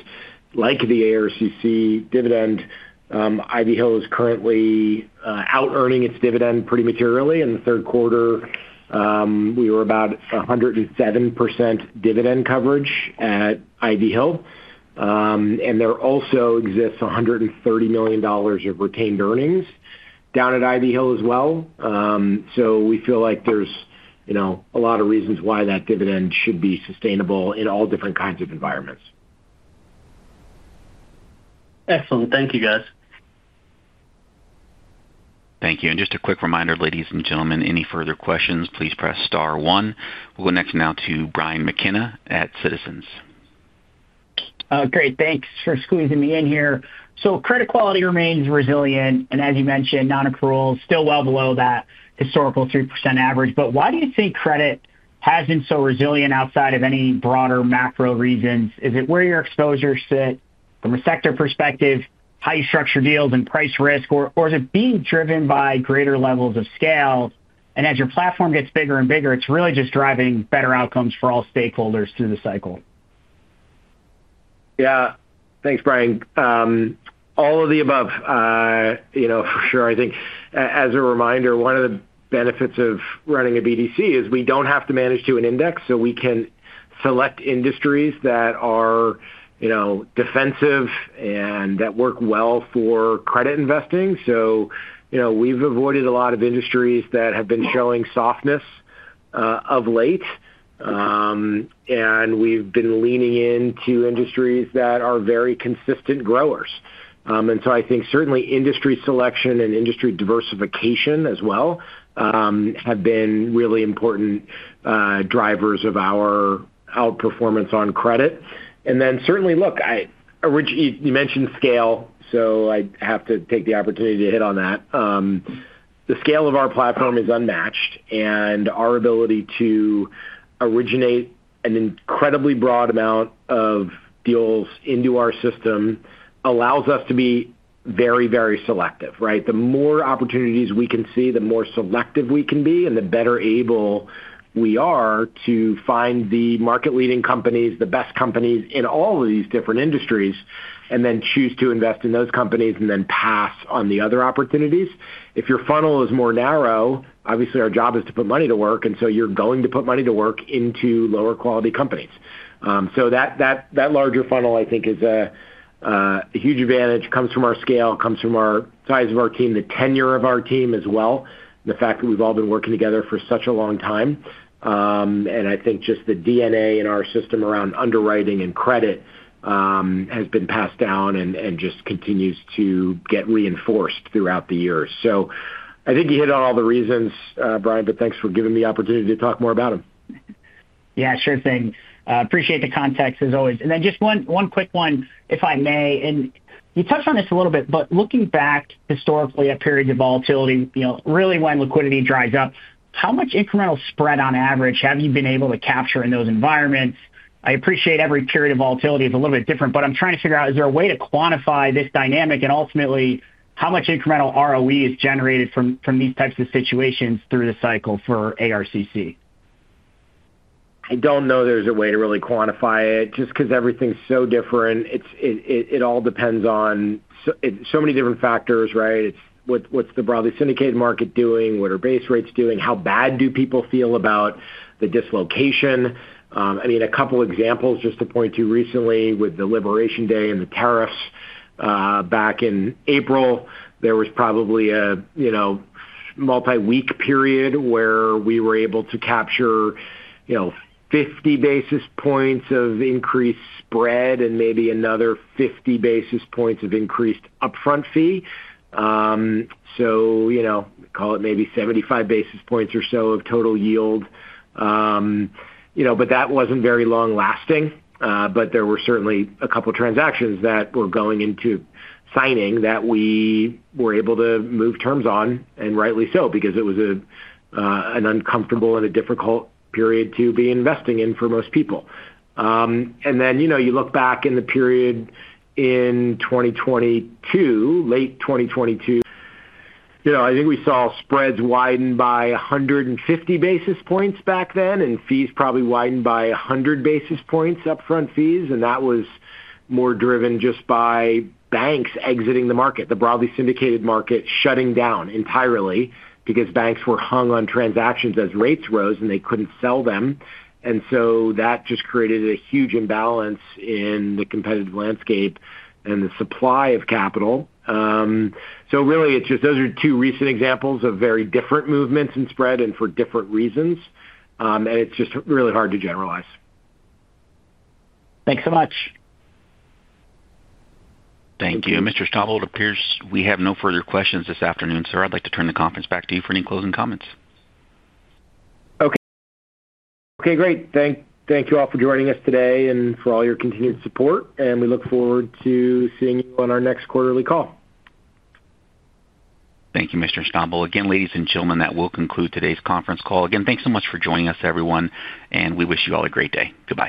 like the ARCC dividend, Ivy Hill is currently out earning its dividend pretty materially. In the third quarter, we were about 107% dividend coverage at Ivy Hill, and there also exists $130 million of retained earnings down at Ivy Hill as well. We feel like there's, you know, a lot of reasons why that dividend should be sustainable in all different kinds of environments. Excellent. Thank you, guys. Thank you. Just a quick reminder, ladies and gentlemen, any further questions, please press star one. We'll go next now to Brian McKenna at Citizens. Great, thanks for squeezing me in here. Credit quality remains resilient, and as you mentioned, non-accruals are still well below that historical 3% average. Why do you think credit has been so resilient outside of any broader macro reasons? Is it where your exposures sit from a sector perspective, how you structure deals and price risk, or is it being driven by greater levels of scale? As your platform gets bigger and bigger, it's really just driving better outcomes for all stakeholders through the cycle. Yeah. Thanks, Brian. All of the above, for sure. I think as a reminder, one of the benefits of running a BDC is we don't have to manage to an index. We can select industries that are defensive and that work well for credit investing. We've avoided a lot of industries that have been showing softness of late, and we've been leaning into industries that are very consistent growers. I think certainly industry selection and industry diversification as well have been really important drivers of our outperformance on credit. Certainly, look, you mentioned scale, so I have to take the opportunity to hit on that. The scale of our platform is unmatched, and our ability to originate an incredibly broad amount of deals into our system allows us to be very, very selective. The more opportunities we can see, the more selective we can be, and the better able we are to find the market-leading companies, the best companies in all of these different industries, and then choose to invest in those companies and pass on the other opportunities. If your funnel is more narrow, obviously our job is to put money to work, and you're going to put money to work into lower quality companies. That larger funnel, I think, is a huge advantage. It comes from our scale, it comes from the size of our team, the tenure of our team as well, the fact that we've all been working together for such a long time. I think just the DNA in our system around underwriting and credit has been passed down and just continues to get reinforced throughout the years. I think you hit on all the reasons, Brian, but thanks for giving me the opportunity to talk more about them. Yeah, sure thing. I appreciate the context as always. Just one quick one, if I may. You touched on this a little bit, but looking back historically at periods of volatility, really when liquidity dries up, how much incremental spread on average have you been able to capture in those environments? I appreciate every period of volatility is a little bit different, but I'm trying to figure out is there a way to quantify this dynamic and ultimately how much incremental ROE is generated from these types of situations through the cycle for ARCC? I don't know there's a way to really quantify it just because everything's so different. It all depends on so many different factors, right? It's what's the broadly syndicated market doing? What are base rates doing? How bad do people feel about the dislocation? I mean, a couple of examples just to point to recently with the Liberation Day and the tariffs, back in April, there was probably a multi-week period where we were able to capture 50 basis points of increased spread and maybe another 50 basis points of increased upfront fee. You know, call it maybe 75 basis points or so of total yield. You know, but that wasn't very long-lasting. There were certainly a couple of transactions that were going into signing that we were able to move terms on, and rightly so, because it was an uncomfortable and a difficult period to be investing in for most people. You look back in the period in 2022, late 2022. I think we saw spreads widen by 150 basis points back then and fees probably widen by 100 basis points upfront fees. That was more driven just by banks exiting the market, the broadly syndicated market shutting down entirely because banks were hung on transactions as rates rose and they couldn't sell them. That just created a huge imbalance in the competitive landscape and the supply of capital. Those are two recent examples of very different movements in spread and for different reasons. It's just really hard to generalize. Thanks so much. Thank you. Mr. Schnabel, it appears we have no further questions this afternoon. Sir, I'd like to turn the conference back to you for any closing comments. Okay, great. Thank you all for joining us today and for all your continued support. We look forward to seeing you on our next quarterly call. Thank you, Mr. Schnabel That will conclude today's conference call. Again, thanks so much for joining us, everyone. We wish you all a great day. Goodbye.